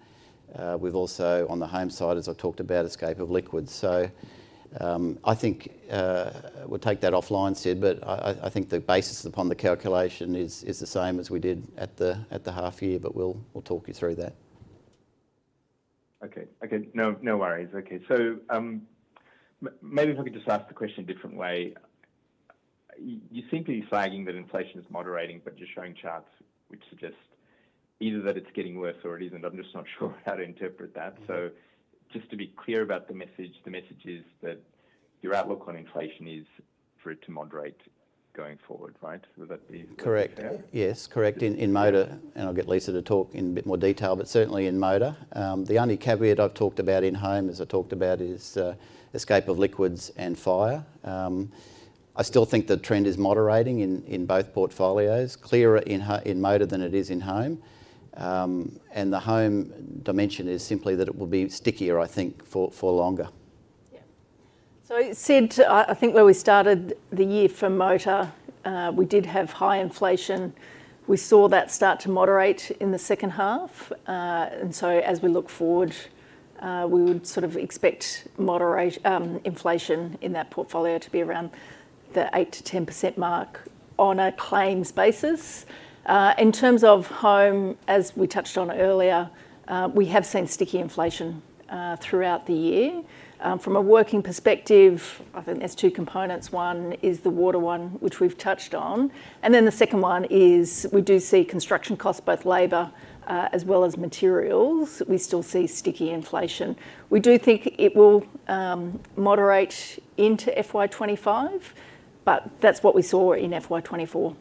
We've also, on the home side, as I talked about, escape of liquids. So, I think we'll take that offline, Sid, but I think the basis upon the calculation is the same as we did at the half year, but we'll talk you through that. Okay. Okay, no, no worries. Okay. So, maybe if I could just ask the question a different way. You seem to be flagging that inflation is moderating, but you're showing charts which suggest either that it's getting worse or it isn't. I'm just not sure how to interpret that. So just to be clear about the message, the message is that your outlook on inflation is for it to moderate going forward, right? Would that be fair? Correct. Yes, correct. In motor, and I'll get Lisa to talk in a bit more detail, but certainly in motor, the only caveat I've talked about in home, as I talked about, is escape of liquids and fire. I still think the trend is moderating in both portfolios, clearer in motor than it is in home. And the home dimension is simply that it will be stickier, I think, for longer. Yeah. So, Sid, I think where we started the year for motor, we did have high inflation. We saw that start to moderate in the second half. And so as we look forward, we would sort of expect moderate inflation in that portfolio to be around the 8%-10% mark on a claims basis. In terms of home, as we touched on earlier, we have seen sticky inflation throughout the year. From a forward perspective, I think there's two components: One is the water one, which we've touched on, and then the second one is we do see construction costs, both labor, as well as materials, we still see sticky inflation. We do think it will moderate into FY25, but that's what we saw in FY24.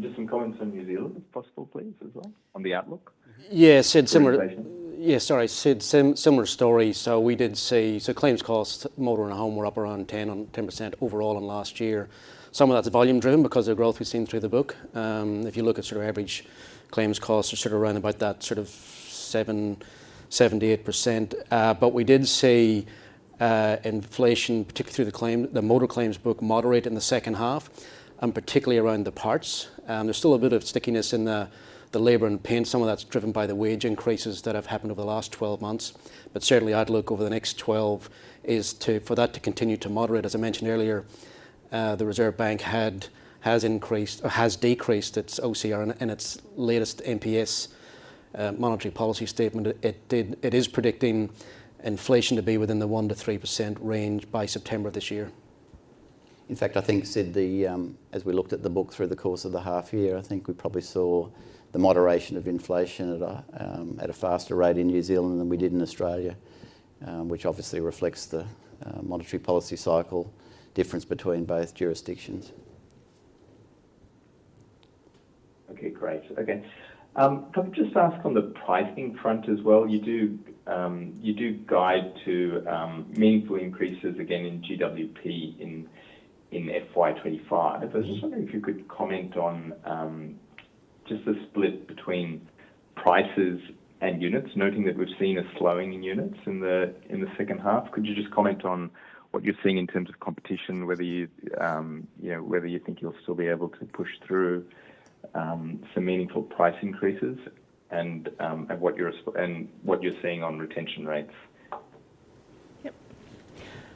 Just some comments on New Zealand, if possible, please, as well, on the outlook? Yeah, Sid, similar- Inflation. Yeah, sorry, Sid, similar story. So we did see. So claims cost, motor and home, were up around 10% overall in last year. Some of that's volume driven because of growth we've seen through the book. If you look at sort of average claims costs are sort of around about that, sort of 7%-8%. But we did see, inflation, particularly through the claim, the motor claims book, moderate in the second half, and particularly around the parts. There's still a bit of stickiness in the, the labor and paint. Some of that's driven by the wage increases that have happened over the last 12 months. But certainly, outlook over the next 12 is to, for that to continue to moderate. As I mentioned earlier,... the Reserve Bank has increased or has decreased its OCR in its latest MPS, monetary policy statement. It is predicting inflation to be within the 1%-3% range by September of this year. In fact, I think, Sid, as we looked at the book through the course of the half year, I think we probably saw the moderation of inflation at a faster rate in New Zealand than we did in Australia, which obviously reflects the monetary policy cycle difference between both jurisdictions. Okay, great. Okay, can I just ask on the pricing front as well, you do guide to meaningful increases again in GWP in FY25. Mm-hmm. I was just wondering if you could comment on just the split between prices and units, noting that we've seen a slowing in units in the second half. Could you just comment on what you're seeing in terms of competition, whether you, you know, whether you think you'll still be able to push through some meaningful price increases and what you're seeing on retention rates?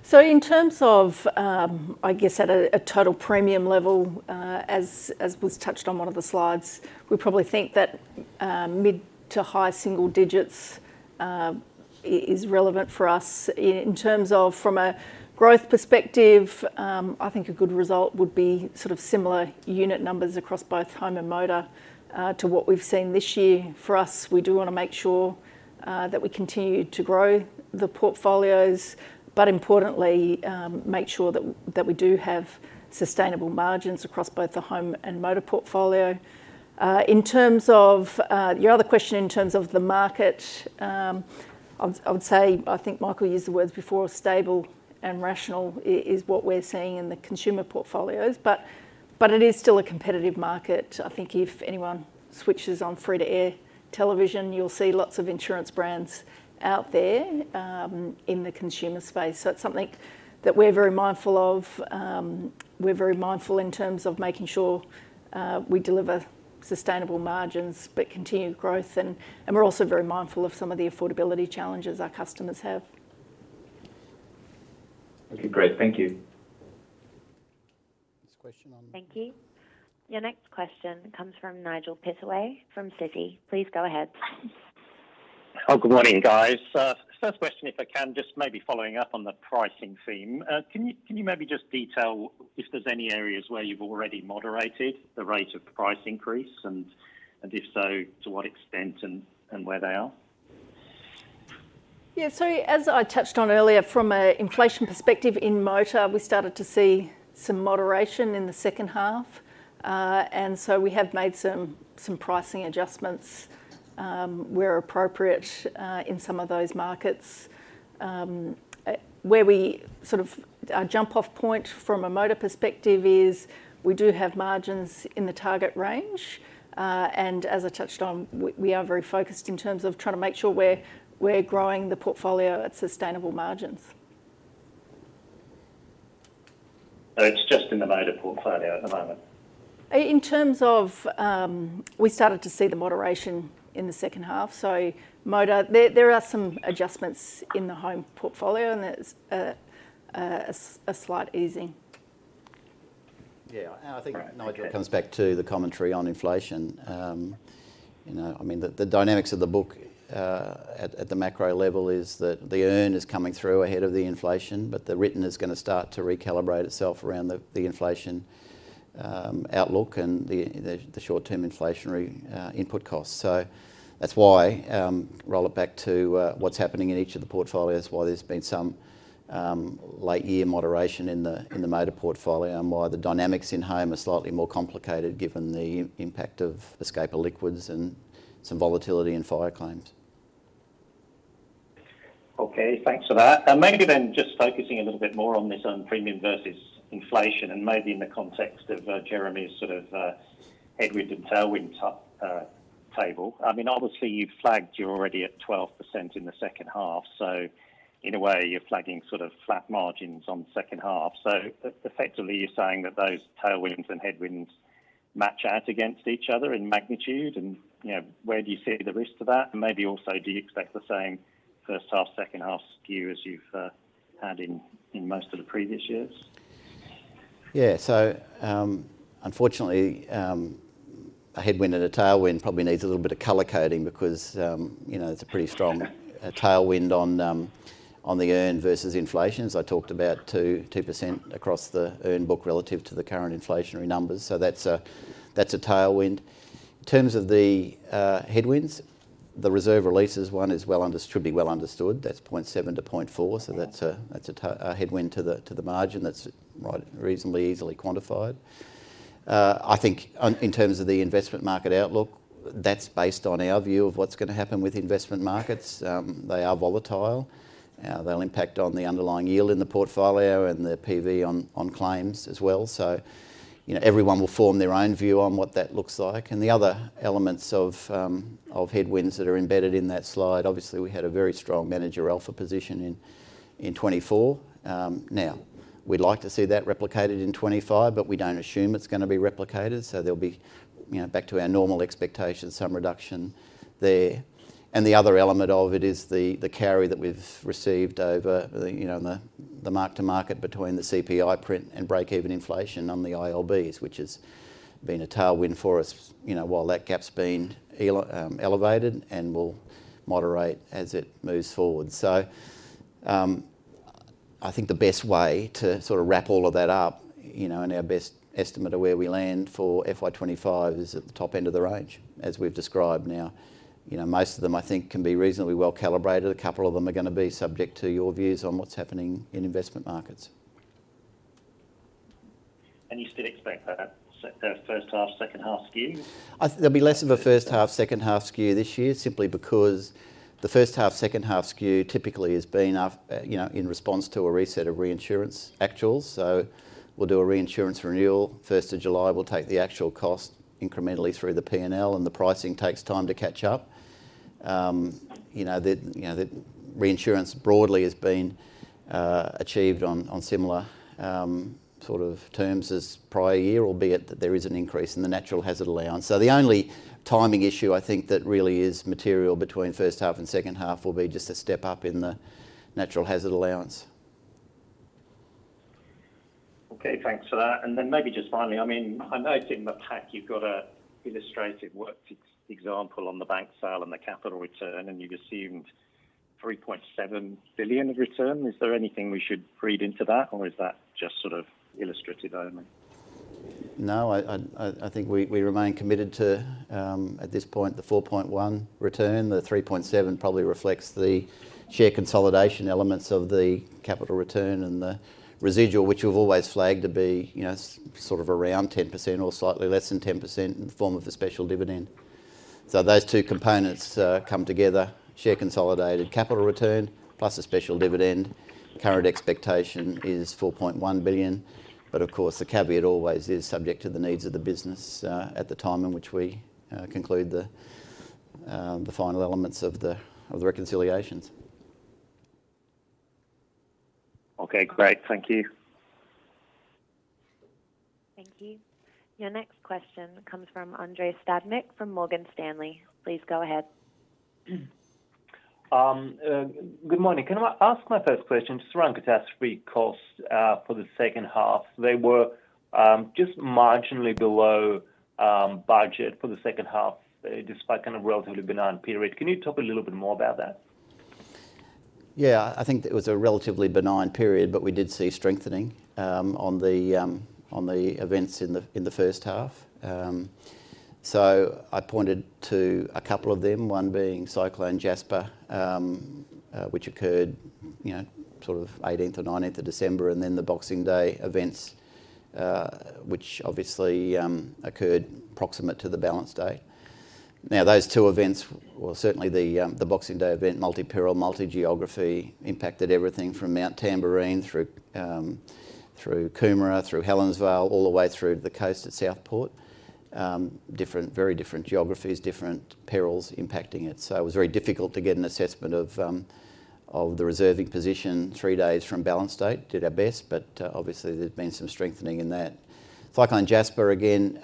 Yep. So in terms of, I guess at a total premium level, as was touched on one of the slides, we probably think that mid to high single digits is relevant for us. In terms of from a growth perspective, I think a good result would be sort of similar unit numbers across both home and motor to what we've seen this year. For us, we do want to make sure that we continue to grow the portfolios, but importantly, make sure that we do have sustainable margins across both the home and motor portfolio. In terms of your other question in terms of the market, I would say, I think Michael used the words before, stable and rational is what we're seeing in the consumer portfolios, but it is still a competitive market. I think if anyone switches on free-to-air television, you'll see lots of insurance brands out there in the consumer space. So it's something that we're very mindful of. We're very mindful in terms of making sure we deliver sustainable margins but continued growth, and we're also very mindful of some of the affordability challenges our customers have. Okay, great. Thank you. Next question on- Thank you. Your next question comes from Nigel Pittaway from Citi. Please go ahead. Oh, good morning, guys. First question, if I can, just maybe following up on the pricing theme. Can you maybe just detail if there's any areas where you've already moderated the rate of price increase? And if so, to what extent and where they are? Yeah. So as I touched on earlier, from a inflation perspective in motor, we started to see some moderation in the second half. And so we have made some pricing adjustments, where appropriate, in some of those markets. Where we sort of... Our jump-off point from a motor perspective is we do have margins in the target range, and as I touched on, we are very focused in terms of trying to make sure we're growing the portfolio at sustainable margins. So it's just in the motor portfolio at the moment? In terms of, we started to see the moderation in the second half, so motor. There are some adjustments in the home portfolio, and there's a slight easing. Yeah, and I think- Right. Okay... Nigel, it comes back to the commentary on inflation. You know, I mean, the dynamics of the book at the macro level is that the earn is coming through ahead of the inflation, but the written is gonna start to recalibrate itself around the inflation outlook and the short-term inflationary input costs. So that's why, roll it back to what's happening in each of the portfolios, why there's been some late year moderation in the motor portfolio, and why the dynamics in home are slightly more complicated given the impact of the escape of liquids and some volatility in fire claims. Okay, thanks for that. And maybe then just focusing a little bit more on this, on premium versus inflation, and maybe in the context of Jeremy's sort of headwinds and tailwinds table. I mean, obviously, you've flagged you're already at 12% in the second half, so in a way, you're flagging sort of flat margins on the second half. So effectively, you're saying that those tailwinds and headwinds match out against each other in magnitude, and, you know, where do you see the risk to that? And maybe also, do you expect the same first half, second half skew as you've had in most of the previous years? Yeah. So, unfortunately, a headwind and a tailwind probably needs a little bit of color coding because, you know, it's a tailwind on the earn versus inflation, as I talked about 2% across the earn book relative to the current inflationary numbers. So that's a tailwind. In terms of the headwinds, the reserve releases one should be well understood. That's 0.7-0.4, so that's a headwind to the margin that's right, reasonably easily quantified. I think in terms of the investment market outlook, that's based on our view of what's gonna happen with investment markets. They are volatile. They'll impact on the underlying yield in the portfolio and the PV on claims as well. You know, everyone will form their own view on what that looks like. The other elements of headwinds that are embedded in that slide, obviously, we had a very strong manager alpha position in 2024. Now, we'd like to see that replicated in 2025, but we don't assume it's gonna be replicated, so there'll be, you know, back to our normal expectations, some reduction there. The other element of it is the carry that we've received over the, you know, in the mark to market between the CPI print and breakeven inflation on the ILBs, which has been a tailwind for us, you know, while that gap's been elevated and will moderate as it moves forward. So, I think the best way to sort of wrap all of that up, you know, and our best estimate of where we land for FY25 is at the top end of the range, as we've described now. You know, most of them, I think, can be reasonably well calibrated. A couple of them are gonna be subject to your views on what's happening in investment markets. You still expect that, so there's first half, second half skew? I there'll be less of a first half, second half skew this year, simply because the first half, second half skew typically has been you know, in response to a reset of reinsurance actuals. So we'll do a reinsurance renewal. First of July, we'll take the actual cost incrementally through the P&L, and the pricing takes time to catch up. You know, the reinsurance broadly has been achieved on similar sort of terms as prior year, albeit that there is an increase in the natural hazard allowance. So the only timing issue I think that really is material between first half and second half will be just a step up in the natural hazard allowance. Okay, thanks for that. And then maybe just finally, I mean, I noticed in the pack you've got an illustrative worked example on the bank sale and the capital return, and you've assumed 3.7 billion of return. Is there anything we should read into that, or is that just sort of illustrative only? No, I think we remain committed to, at this point, the 4.1 return. The 3.7 probably reflects the share consolidation elements of the capital return and the residual, which we've always flagged to be, you know, sort of around 10% or slightly less than 10% in the form of a special dividend. So those two components come together, share consolidated capital return plus a special dividend. Current expectation is 4.1 billion, but of course, the caveat always is subject to the needs of the business, at the time in which we conclude the final elements of the reconciliations. Okay, great. Thank you. Thank you. Your next question comes from Andrei Stadnik, from Morgan Stanley. Please go ahead. Good morning. Can I ask my first question just around catastrophe costs for the second half? They were just marginally below budget for the second half, despite kind of relatively benign period. Can you talk a little bit more about that? Yeah, I think it was a relatively benign period, but we did see strengthening on the events in the first half. So I pointed to a couple of them, one being Cyclone Jasper, which occurred, you know, sort of 18th or 19th of December, and then the Boxing Day events, which obviously occurred proximate to the balance date. Now, those two events, well, certainly the Boxing Day event, multi-peril, multi-geography, impacted everything from Mount Tamborine through Coomera, through Helensvale, all the way through to the coast at Southport. Different, very different geographies, different perils impacting it. So it was very difficult to get an assessment of the reserving position three days from balance date. Did our best, but obviously there's been some strengthening in that. Cyclone Jasper, again,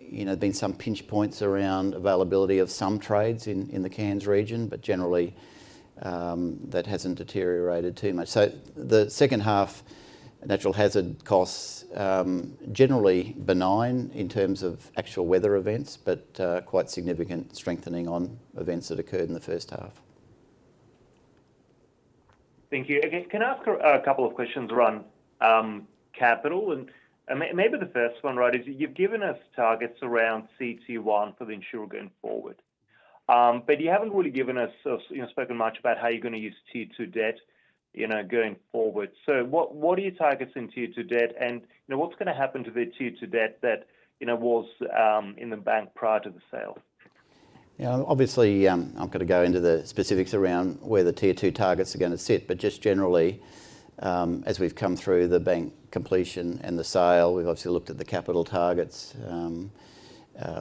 you know, there's been some pinch points around availability of some trades in the Cairns region, but generally, that hasn't deteriorated too much. So the second half, natural hazard costs, generally benign in terms of actual weather events, but quite significant strengthening on events that occurred in the first half. Thank you. Again, can I ask a couple of questions around capital? And maybe the first one, right, is you've given us targets around CET1 for the insurer going forward. But you haven't really given us or, you know, spoken much about how you're gonna use Tier 2 debt, you know, going forward. So what are you targeting Tier 2 debt, and, you know, what's gonna happen to the Tier 2 debt that, you know, was in the bank prior to the sale? Yeah, obviously, I've got to go into the specifics around where the Tier 2 targets are gonna sit. But just generally, as we've come through the bank completion and the sale, we've obviously looked at the capital targets,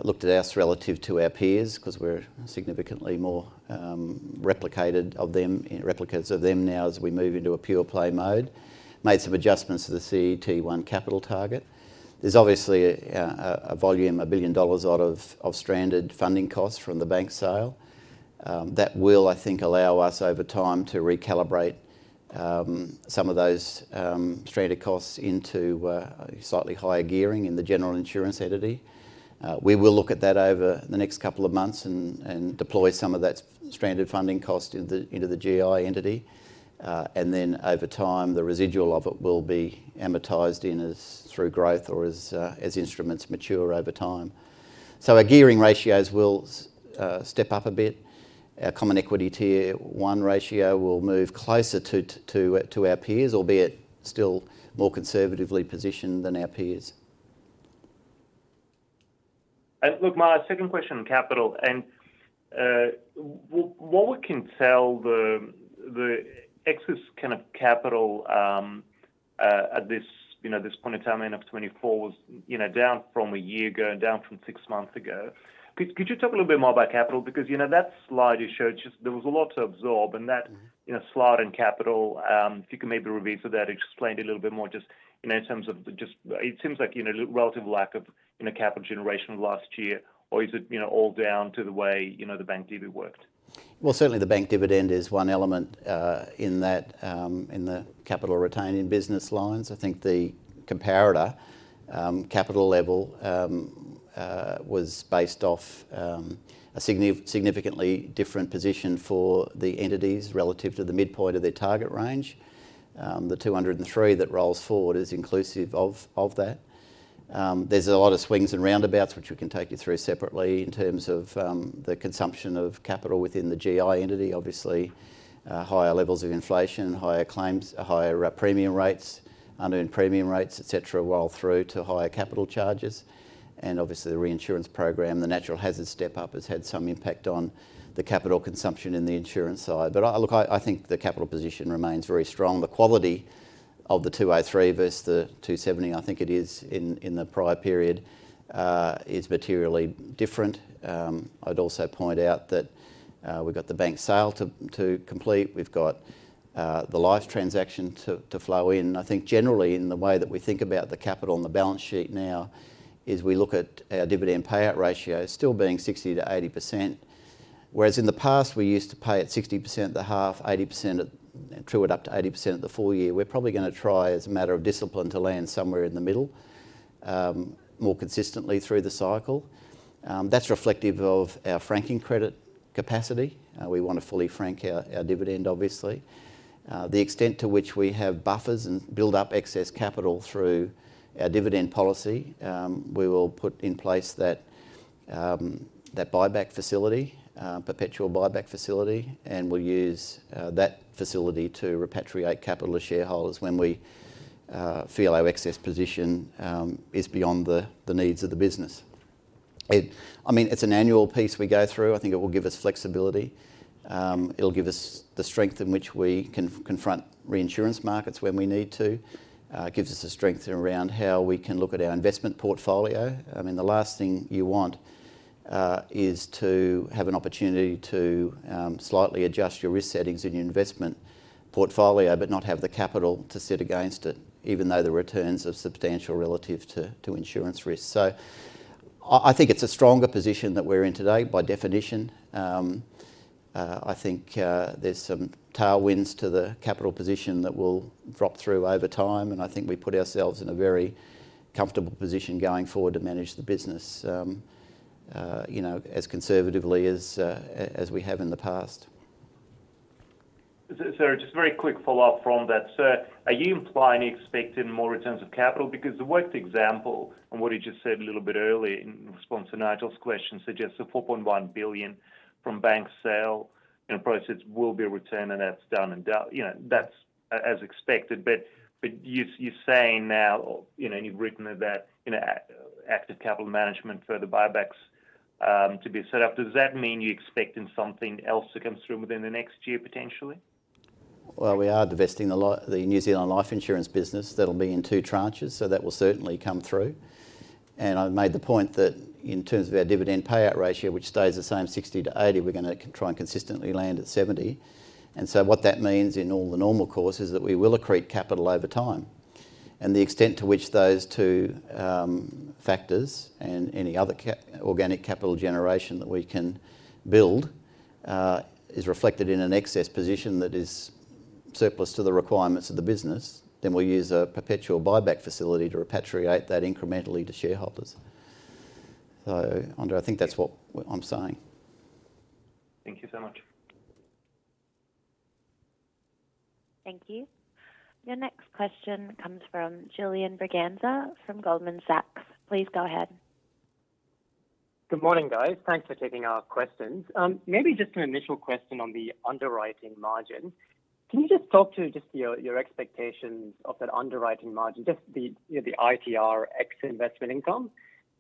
looked at us relative to our peers, 'cause we're significantly more replicated of them, replicates of them now as we move into a pure play mode. Made some adjustments to the CET1 capital target. There's obviously a volume of 1 billion dollars out of stranded funding costs from the bank sale. That will, I think, allow us over time to recalibrate some of those stranded costs into slightly higher gearing in the general insurance entity. We will look at that over the next couple of months and deploy some of that stranded funding cost into the GI entity. And then over time, the residual of it will be amortized in as through growth or as instruments mature over time so our gearing ratios will step up a bit. Our common equity tier one ratio will move closer to our peers, albeit still more conservatively positioned than our peers. Look, my second question on capital, and what we can tell the excess kind of capital at this, you know, this point in time, end of 2024, was, you know, down from a year ago and down from six months ago. Could you talk a little bit more about capital? Because, you know, that slide you showed, just there was a lot to absorb, and that- Mm-hmm... you know, slide in capital, if you could maybe review so that it explained a little bit more just, you know, in terms of just... It seems like, you know, relative lack of, you know, capital generation last year, or is it, you know, all down to the way, you know, the bank dividend worked? Well, certainly, the bank dividend is one element in that in the capital retaining business lines. I think the comparator capital level was based off a significantly different position for the entities relative to the midpoint of their target range. The two hundred and three that rolls forward is inclusive of that. There's a lot of swings and roundabouts, which we can take you through separately in terms of the consumption of capital within the GI entity. Obviously, higher levels of inflation, higher claims, higher premium rates, unearned premium rates, et cetera, roll through to higher capital charges. And obviously, the reinsurance program, the natural hazard step-up has had some impact on the capital consumption in the insurance side. But look, I think the capital position remains very strong. The quality of the 203 versus the 270, I think it is, in the prior period. We've got the bank sale to complete. We've got the life transaction to flow in. I think generally in the way that we think about the capital and the balance sheet now is we look at our dividend payout ratio still being 60%-80%, whereas in the past, we used to pay at 60% the half, 80% at true it up to 80% of the full year. We're probably gonna try, as a matter of discipline, to land somewhere in the middle, more consistently through the cycle. That's reflective of our franking credit capacity. We want to fully frank our dividend, obviously. The extent to which we have buffers and build up excess capital through our dividend policy, we will put in place that perpetual buyback facility, and we'll use that facility to repatriate capital to shareholders when we feel our excess position is beyond the needs of the business. I mean, it's an annual piece we go through. I think it will give us flexibility. It'll give us the strength in which we can confront reinsurance markets when we need to. It gives us the strength around how we can look at our investment portfolio. I mean, the last thing you want is to have an opportunity to slightly adjust your risk settings in your investment portfolio, but not have the capital to sit against it, even though the returns are substantial relative to insurance risk. So I think it's a stronger position that we're in today, by definition. I think there's some tailwinds to the capital position that will drop through over time, and I think we put ourselves in a very comfortable position going forward to manage the business, you know, as conservatively as we have in the past. So, just a very quick follow-up from that, sir. Are you implying you're expecting more returns of capital? Because the worked example on what you just said a little bit earlier in response to Nigel's question suggests 4.1 billion from bank sale, and proceeds will be returned, and that's done and done. You know, that's as expected, but you're saying now, you know, and you've written about, you know, active capital management for the buybacks to be set up. Does that mean you're expecting something else to come through within the next year, potentially? We are divesting the New Zealand life insurance business. That'll be in two tranches, so that will certainly come through. I made the point that in terms of our dividend payout ratio, which stays the same, 60%-80%, we're gonna try and consistently land at 70%. So what that means in all the normal course is that we will accrete capital over time. The extent to which those two factors and any other organic capital generation that we can build is reflected in an excess position that is surplus to the requirements of the business, then we'll use a perpetual buyback facility to repatriate that incrementally to shareholders. Andrew, I think that's what I'm saying. Thank you so much. Thank you. Your next question comes from Julian Braganza from Goldman Sachs. Please go ahead. Good morning, guys. Thanks for taking our questions. Maybe just an initial question on the underwriting margin. Can you just talk to just your, your expectations of that underwriting margin, just the, you know, the ITR ex investment income?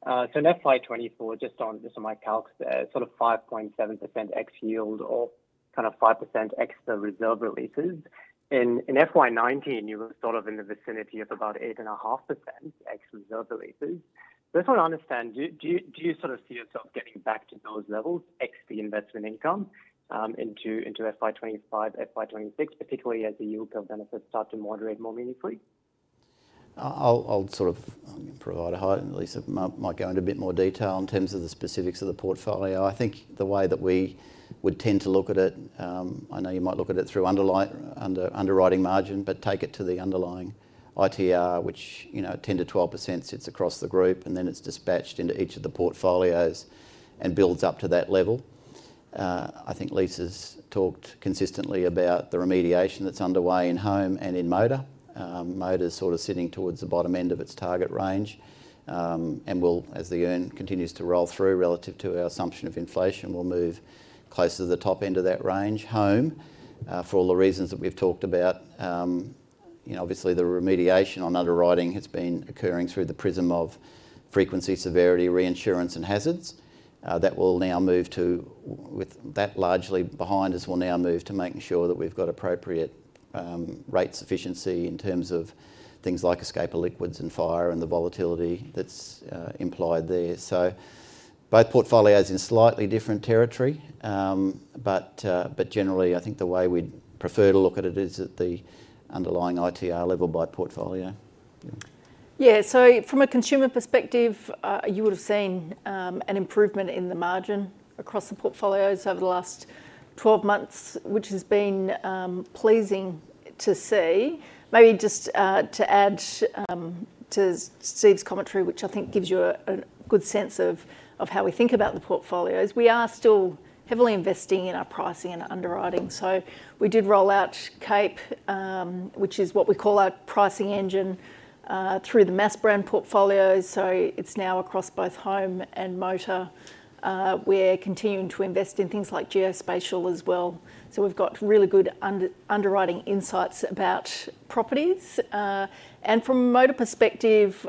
So in FY24, just on, just on my calcs, sort of 5.7% ex yield or kind of 5% ex the reserve releases. In, in FY19, you were sort of in the vicinity of about 8.5% ex reserve releases. Just want to understand, do, do you, do you sort of see yourself getting back to those levels, ex the investment income, into, into FY25, FY26, particularly as the yield curve benefits start to moderate more meaningfully? I'll sort of provide a high-level, and Lisa might go into a bit more detail in terms of the specifics of the portfolio. I think the way that we would tend to look at it. I know you might look at it through underwriting margin, but take it to the underlying ITR, which, you know, 10%-12% sits across the group, and then it's disaggregated into each of the portfolios and builds up to that level. I think Lisa's talked consistently about the remediation that's underway in home and in motor. Motor's sort of sitting towards the bottom end of its target range, and will, as the earn continues to roll through relative to our assumption of inflation, will move closer to the top end of that range. Home, for all the reasons that we've talked about, you know, obviously, the remediation on underwriting has been occurring through the prism of frequency, severity, reinsurance, and hazards. That will now move to. With that largely behind us, we'll now move to making sure that we've got appropriate rate sufficiency in terms of things like escape of liquids and fire and the volatility that's implied there. So both portfolios in slightly different territory, but generally, I think the way we'd prefer to look at it is at the underlying ITR level by portfolio. Yeah. From a consumer perspective, you would have seen an improvement in the margin across the portfolios over the last twelve months, which has been pleasing to see. Maybe just to add to Steve's commentary, which I think gives you a good sense of how we think about the portfolios. We are still heavily investing in our pricing and underwriting. We did roll out CAPE, which is what we call our pricing engine, through the mass brand portfolio. It's now across both home and motor. We're continuing to invest in things like geospatial as well. We've got really good underwriting insights about properties. From a motor perspective,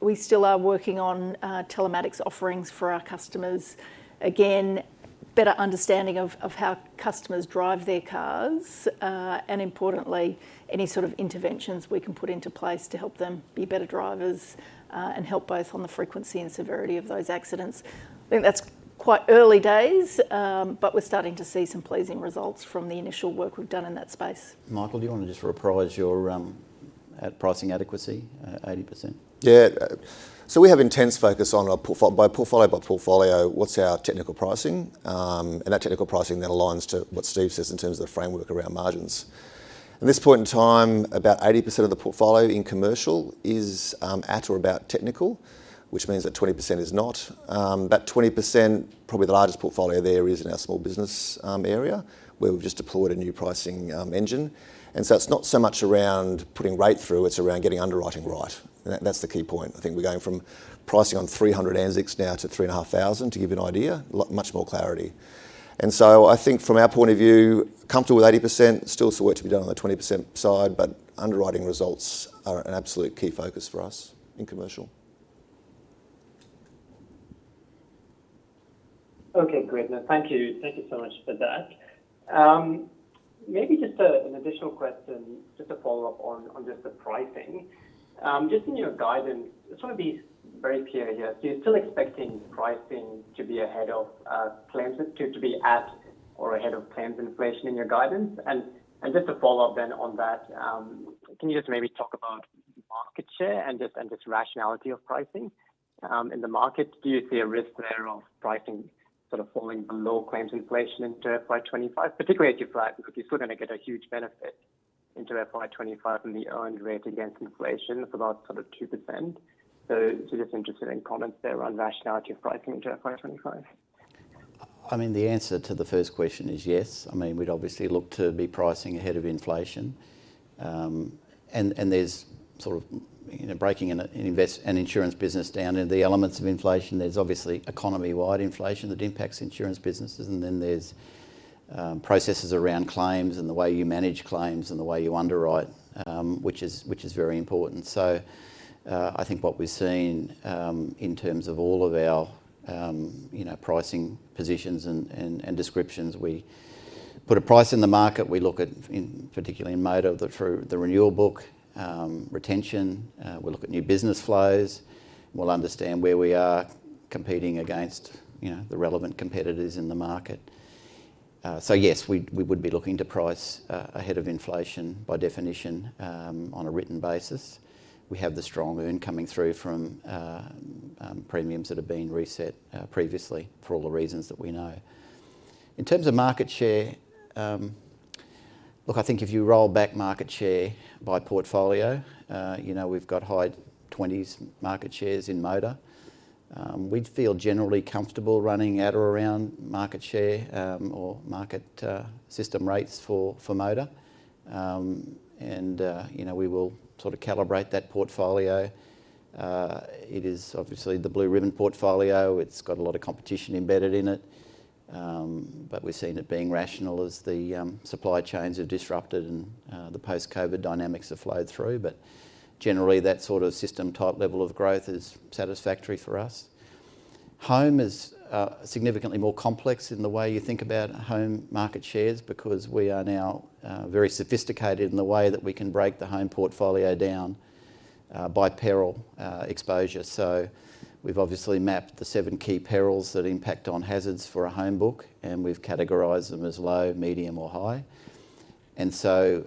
we still are working on telematics offerings for our customers. Again, better understanding of how customers drive their cars, and importantly, any sort of interventions we can put into place to help them be better drivers, and help both on the frequency and severity of those accidents. I think that's quite early days, but we're starting to see some pleasing results from the initial work we've done in that space. Michael, do you want to just rephrase your at pricing adequacy 80%? Yeah. So we have intense focus on our portfolio by portfolio, what's our technical pricing? And that technical pricing then aligns to what Steve says in terms of the framework around margins. At this point in time, about 80% of the portfolio in commercial is at or about technical, which means that 20% is not. That 20%, probably the largest portfolio there is in our small business area, where we've just deployed a new pricing engine. And so it's not so much around putting rate through, it's around getting underwriting right. And that, that's the key point. I think we're going from pricing on 300 ANZSICs now to 3,500, to give you an idea, a lot more clarity. And so I think from our point of view, comfortable with 80%, still some work to be done on the 20% side, but underwriting results are an absolute key focus for us in commercial. Okay, great. Thank you. Thank you so much for that. Maybe just an additional question, just a follow-up on just the pricing. Just in your guidance, I just want to be very clear here. So you're still expecting pricing to be ahead of claims, to be at or ahead of claims inflation in your guidance? And just a follow-up then on that, can you just maybe talk about market share and just rationality of pricing in the market? Do you see a risk there of pricing sort of falling below claims inflation into FY25, particularly at your price, because you're still gonna get a huge benefit into FY25 from the earned rate against inflation of about sort of 2%? So just interested in comments there on rationality of pricing into FY25. I mean, the answer to the first question is yes. I mean, we'd obviously look to be pricing ahead of inflation. And there's sort of, you know, breaking an insurance business down into the elements of inflation. There's obviously economy-wide inflation that impacts insurance businesses, and then there's processes around claims and the way you manage claims and the way you underwrite, which is very important. So, I think what we've seen in terms of all of our, you know, pricing positions and descriptions, we put a price in the market. We look at, in particular in motor, through the renewal book, retention, we look at new business flows. We'll understand where we are competing against, you know, the relevant competitors in the market. So yes, we would be looking to price ahead of inflation, by definition, on a written basis. We have the strong earn coming through from premiums that have been reset previously for all the reasons that we know. In terms of market share, look, I think if you roll back market share by portfolio, you know, we've got high twenties market shares in motor. We'd feel generally comfortable running at or around market share or market system rates for motor. And you know, we will sort of calibrate that portfolio. It is obviously the blue ribbon portfolio. It's got a lot of competition embedded in it, but we've seen it being rational as the supply chains have disrupted and the post-COVID dynamics have flowed through. But generally, that sort of system-type level of growth is satisfactory for us. Home is significantly more complex in the way you think about home market shares, because we are now very sophisticated in the way that we can break the home portfolio down by peril exposure. So we've obviously mapped the seven key perils that impact on hazards for a home book, and we've categorized them as low, medium, or high. And so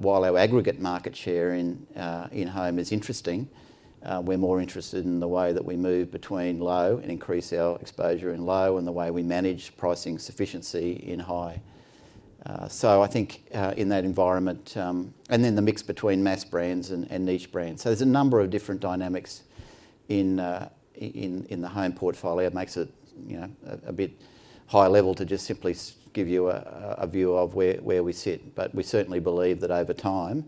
while our aggregate market share in home is interesting, we're more interested in the way that we move between low and increase our exposure in low and the way we manage pricing sufficiency in high. So I think in that environment, and then the mix between mass brands and niche brands. So there's a number of different dynamics in the home portfolio. It makes it, you know, a bit high level to just simply give you a view of where we sit. But we certainly believe that over time,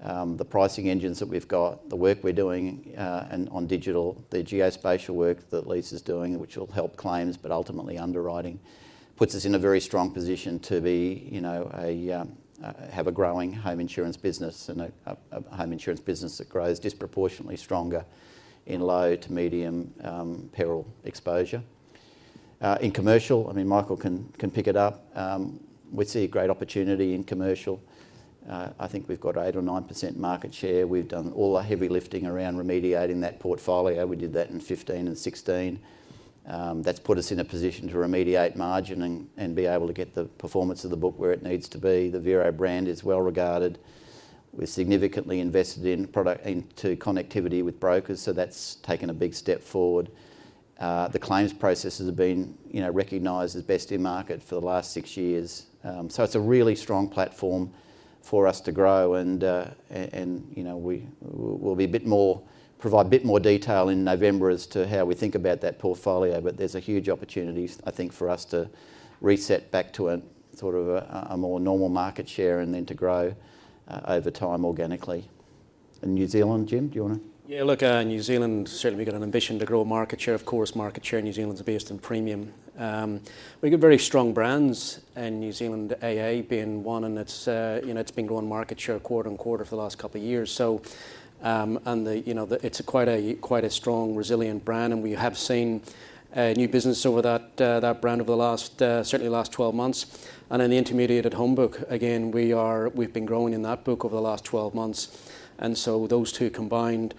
the pricing engines that we've got, the work we're doing, and on digital, the geospatial work that Lisa is doing, which will help claims, but ultimately underwriting, puts us in a very strong position to be, you know, a, have a growing home insurance business and a home insurance business that grows disproportionately stronger in low to medium, peril exposure. In commercial, I mean, Michael can pick it up. We see a great opportunity in commercial. I think we've got 8% or 9% market share. We've done all the heavy lifting around remediating that portfolio. We did that in 2015 and 2016. That's put us in a position to remediate margin and be able to get the performance of the book where it needs to be. The Vero brand is well-regarded. We've significantly invested in product into connectivity with brokers, so that's taken a big step forward. The claims processes have been, you know, recognized as best in market for the last six years. So it's a really strong platform for us to grow, and, you know, we'll provide a bit more detail in November as to how we think about that portfolio, but there's a huge opportunity, I think, for us to reset back to a sort of a more normal market share, and then to grow over time organically. In New Zealand, Jim, do you wanna? Yeah, look, New Zealand, certainly we've got an ambition to grow market share. Of course, market share in New Zealand is based on premium. We've got very strong brands in New Zealand, AA being one, and it's, you know, it's been growing market share quarter on quarter for the last couple of years. So, and the, you know, the, it's quite a strong, resilient brand, and we have seen new business over that brand over the last certainly the last twelve months. And in the intermediated home book, again, we've been growing in that book over the last twelve months, and so those two combined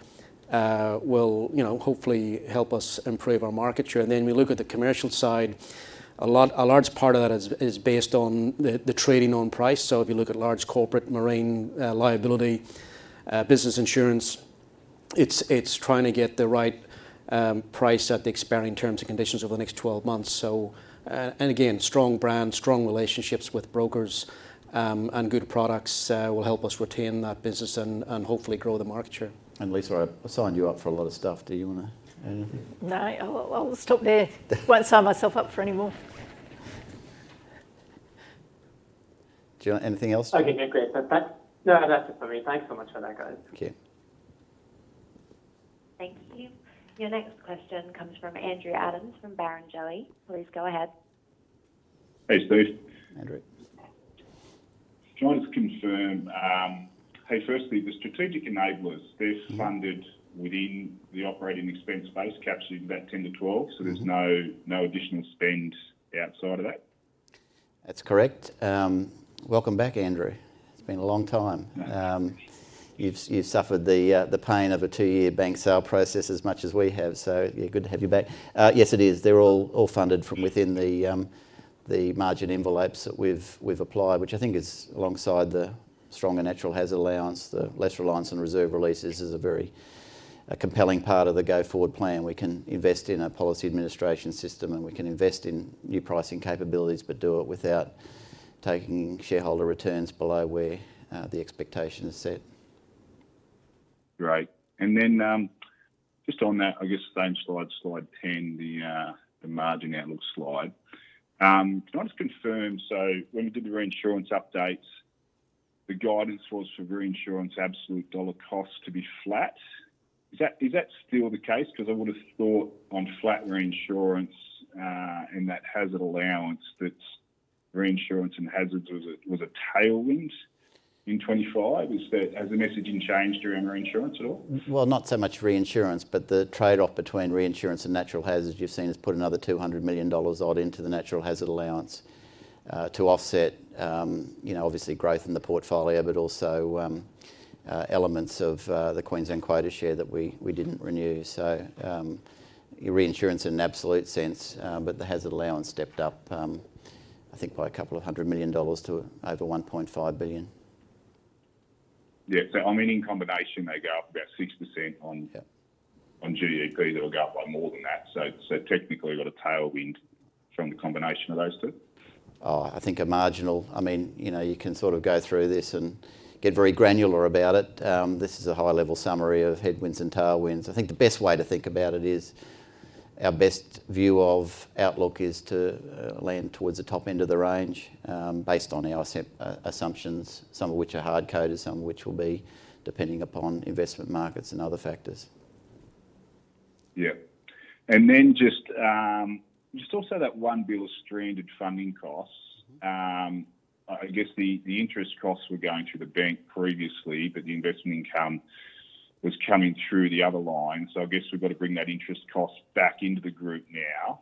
will, you know, hopefully help us improve our market share. And then we look at the commercial side, a lot... A large part of that is based on the trading on price. So if you look at large corporate marine, liability, business insurance, it's trying to get the right price at the expiring terms and conditions over the next twelve months. So, and again, strong brand, strong relationships with brokers, and good products will help us retain that business and hopefully grow the market share. Lisa, I signed you up for a lot of stuff. Do you want to add anything? No, I'll stop there. Won't sign myself up for any more. Do you want anything else? Okay, yeah, great. That's, no, that's it for me. Thanks so much for that, guys. Thank you. Thank you. Your next question comes from Andrew Adams from Barrenjoey. Please go ahead. Hey, Steve. Andrew. Just confirm, hey, firstly, the strategic enablers- Mm-hmm... they're funded within the operating expense base captured in that 10-12? Mm-hmm. So there's no, no additional spend outside of that? That's correct. Welcome back, Andrew. It's been a long time. Yeah. You've suffered the pain of a two-year bank sale process as much as we have, so yeah, good to have you back. Yes, it is. They're all funded from within the margin envelopes that we've applied, which I think is alongside the stronger natural hazard allowance, the lesser allowance and reserve releases is a very compelling part of the go forward plan. We can invest in a policy administration system, and we can invest in new pricing capabilities, but do it without taking shareholder returns below where the expectation is set. Great. And then, just on that, I guess, same slide, slide 10, the margin outlook slide. Can I just confirm, so when we did the reinsurance updates, the guidance was for reinsurance absolute dollar cost to be flat. Is that still the case? Because I would've thought on flat reinsurance, and that hazard allowance, that reinsurance and hazards was a tailwind in 2025. Is that? Has the messaging changed around reinsurance at all? Not so much reinsurance, but the trade-off between reinsurance and natural hazards you've seen has put another 200 million dollars odd into the natural hazard allowance to offset, you know, obviously growth in the portfolio, but also elements of the Queensland quota share that we didn't renew. Your reinsurance in an absolute sense, but the hazard allowance stepped up, I think by 200 million dollars to over 1.5 billion. Yeah, so I mean, in combination, they go up about 6% on- Yeah... on GDP, that will go up by more than that. So technically, we've got a tailwind from the combination of those two? I think a marginal... I mean, you know, you can sort of go through this and get very granular about it. This is a high-level summary of headwinds and tailwinds. I think the best way to think about it is, our best view of outlook is to land towards the top end of the range, based on our set assumptions, some of which are hard coded, some of which will be depending upon investment markets and other factors. Yeah. And then just also that one bill of stranded funding costs. Mm-hmm. I guess the interest costs were going through the bank previously, but the investment income was coming through the other line. So I guess we've got to bring that interest cost back into the group now.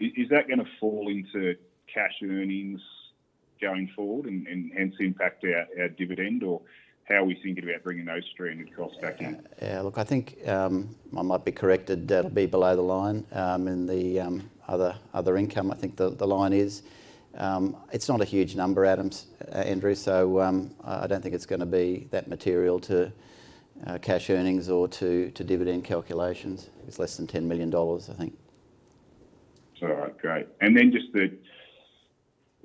Is that gonna fall into cash earnings going forward, and hence impact our dividend, or how are we thinking about bringing those stranded costs back in? Yeah, look, I think I might be corrected. That'll be below the line in the other income. I think the line is. It's not a huge number, Andrew Adams, so I don't think it's gonna be that material to cash earnings or to dividend calculations. It's less than 10 million dollars, I think. All right, great. And then just the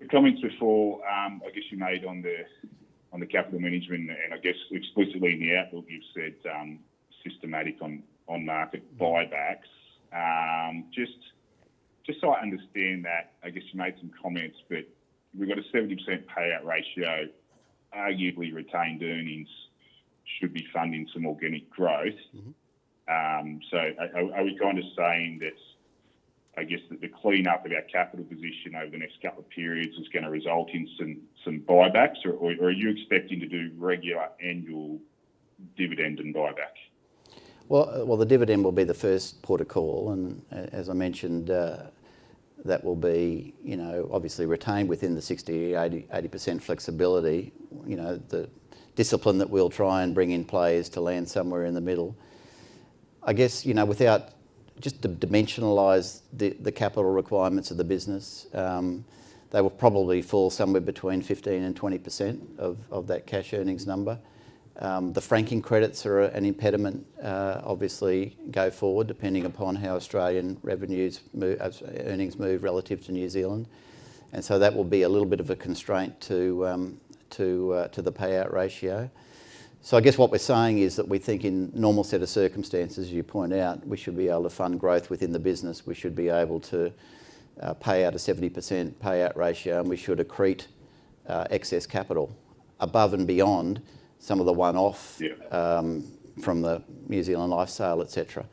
comments before, I guess you made on the capital management, and I guess explicitly in the outlook, you've said, systematic on-market buybacks. Just so I understand that, I guess you made some comments, but we've got a 70% payout ratio, arguably, retained earnings should be funding some organic growth. Mm-hmm. So, are we kind of saying that, I guess, the cleanup of our capital position over the next couple of periods is gonna result in some buybacks, or are you expecting to do regular annual dividend and buyback? The dividend will be the first port of call, and as I mentioned, that will be, you know, obviously retained within the 60-80% flexibility. You know, the discipline that we'll try and bring in play is to land somewhere in the middle. I guess, you know, just to dimensionalize the capital requirements of the business, they will probably fall somewhere between 15% and 20% of that cash earnings number. The franking credits are an impediment, obviously going forward, depending upon how Australian revenues move, as earnings move relative to New Zealand. And so that will be a little bit of a constraint to the payout ratio. So I guess what we're saying is that we think in normal set of circumstances, you point out, we should be able to fund growth within the business. We should be able to pay out a 70% payout ratio, and we should accrete excess capital above and beyond some of the one-off- Yeah - from the New Zealand Life sale, et cetera.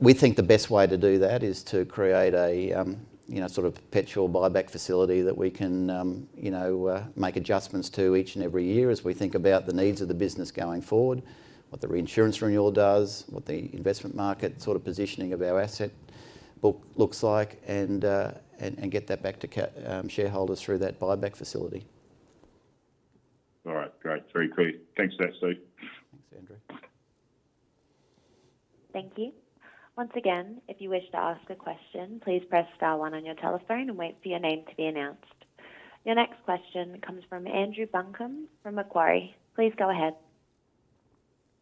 We think the best way to do that is to create a, you know, sort of perpetual buyback facility that we can, you know, make adjustments to each and every year as we think about the needs of the business going forward, what the reinsurance renewal does, what the investment market sort of positioning of our asset book looks like, and get that back to shareholders through that buyback facility. All right. Great. Very clear. Thanks for that, Steve. Thanks, Andrew. Thank you. Once again, if you wish to ask a question, please press star one on your telephone and wait for your name to be announced. Your next question comes from Andrew Buncombe from Macquarie. Please go ahead.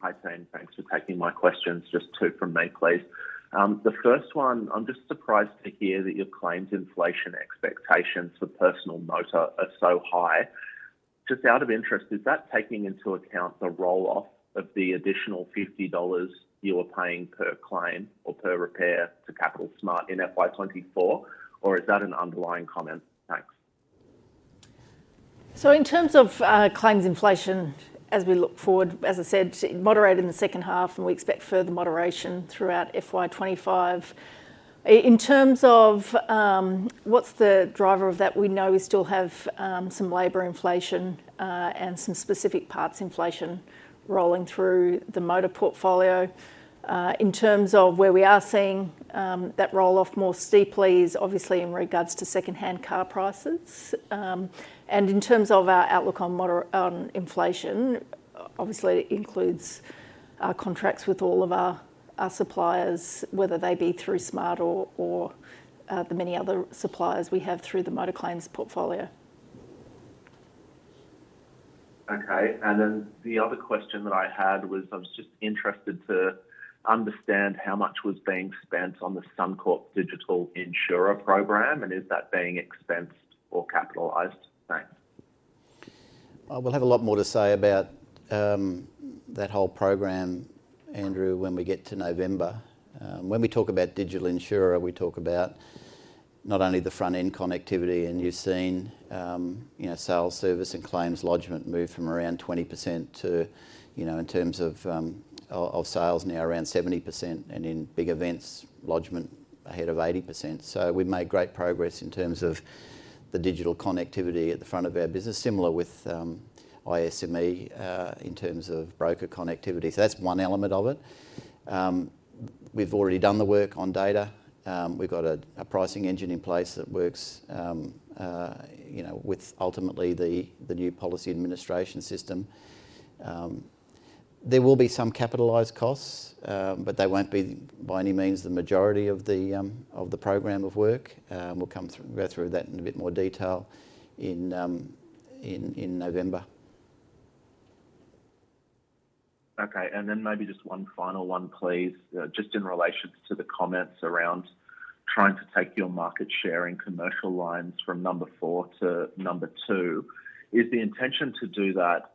Hi, Shane. Thanks for taking my questions. Just two from me, please. The first one, I'm just surprised to hear that your claims inflation expectations for personal motor are so high. Just out of interest, is that taking into account the roll-off of the additional 50 dollars you are paying per claim or per repair to Capital S.M.A.R.T in FY24, or is that an underlying comment? Thanks. So in terms of claims inflation, as we look forward, as I said, it moderated in the second half, and we expect further moderation throughout FY25 In terms of what's the driver of that, we know we still have some labor inflation and some specific parts inflation rolling through the motor portfolio. In terms of where we are seeing that roll off more steeply is obviously in regards to secondhand car prices. And in terms of our outlook on inflation, obviously, it includes our contracts with all of our suppliers, whether they be through SMART or the many other suppliers we have through the motor claims portfolio. Okay, and then the other question that I had was, I was just interested to understand how much was being spent on the Suncorp Digital Insurer program, and is that being expensed or capitalized? Thanks. We'll have a lot more to say about that whole program, Andrew, when we get to November. When we talk about digital insurer, we talk about not only the front-end connectivity, and you've seen, you know, sales, service, and claims lodgment move from around 20% to, you know, in terms of sales now around 70%, and in big events, lodgment ahead of 80%. We've made great progress in terms of the digital connectivity at the front of our business, similar with ISME in terms of broker connectivity. That's one element of it. We've already done the work on data. We've got a pricing engine in place that works, you know, with ultimately the new policy administration system. There will be some capitalized costs, but they won't be, by any means, the majority of the program of work. We'll come through, go through that in a bit more detail in November. Okay, and then maybe just one final one, please. Just in relation to the comments around trying to take your market share in commercial lines from number four to number two, is the intention to do that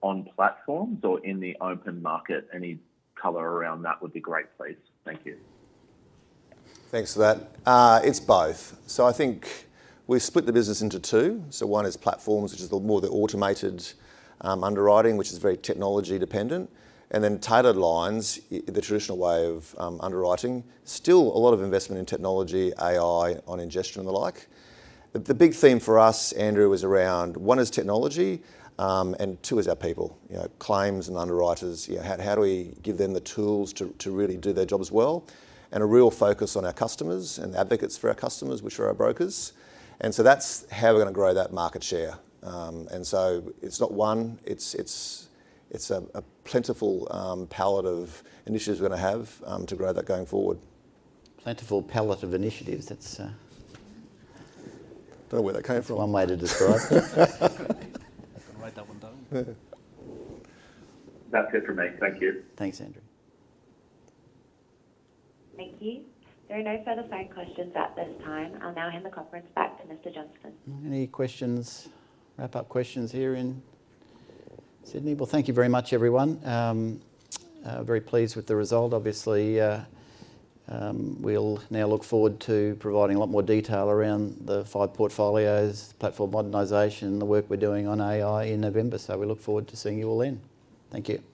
on platforms or in the open market? Any color around that would be great, please. Thank you. Thanks for that. It's both. So I think we've split the business into two. So one is platforms, which is the more the automated underwriting, which is very technology dependent, and then tailored lines, the traditional way of underwriting. Still a lot of investment in technology, AI, on ingestion and the like. The big theme for us, Andrew, is around one is technology and two is our people. You know, claims and underwriters, you know, how do we give them the tools to really do their job as well? And a real focus on our customers and advocates for our customers, which are our brokers. And so that's how we're gonna grow that market share. And so it's not one, it's a plentiful palette of initiatives we're gonna have to grow that going forward. Plentiful palette of initiatives, that's... Don't know where that came from. One way to describe it. Gonna write that one down. That's it for me. Thank you. Thanks, Andrew. Thank you. There are no further signed questions at this time. I'll now hand the conference back to Mr. Johnston. Any questions, wrap-up questions here in Sydney? Well, thank you very much, everyone. Very pleased with the result. Obviously, we'll now look forward to providing a lot more detail around the five portfolios, platform modernization, the work we're doing on AI in November. So we look forward to seeing you all then. Thank you.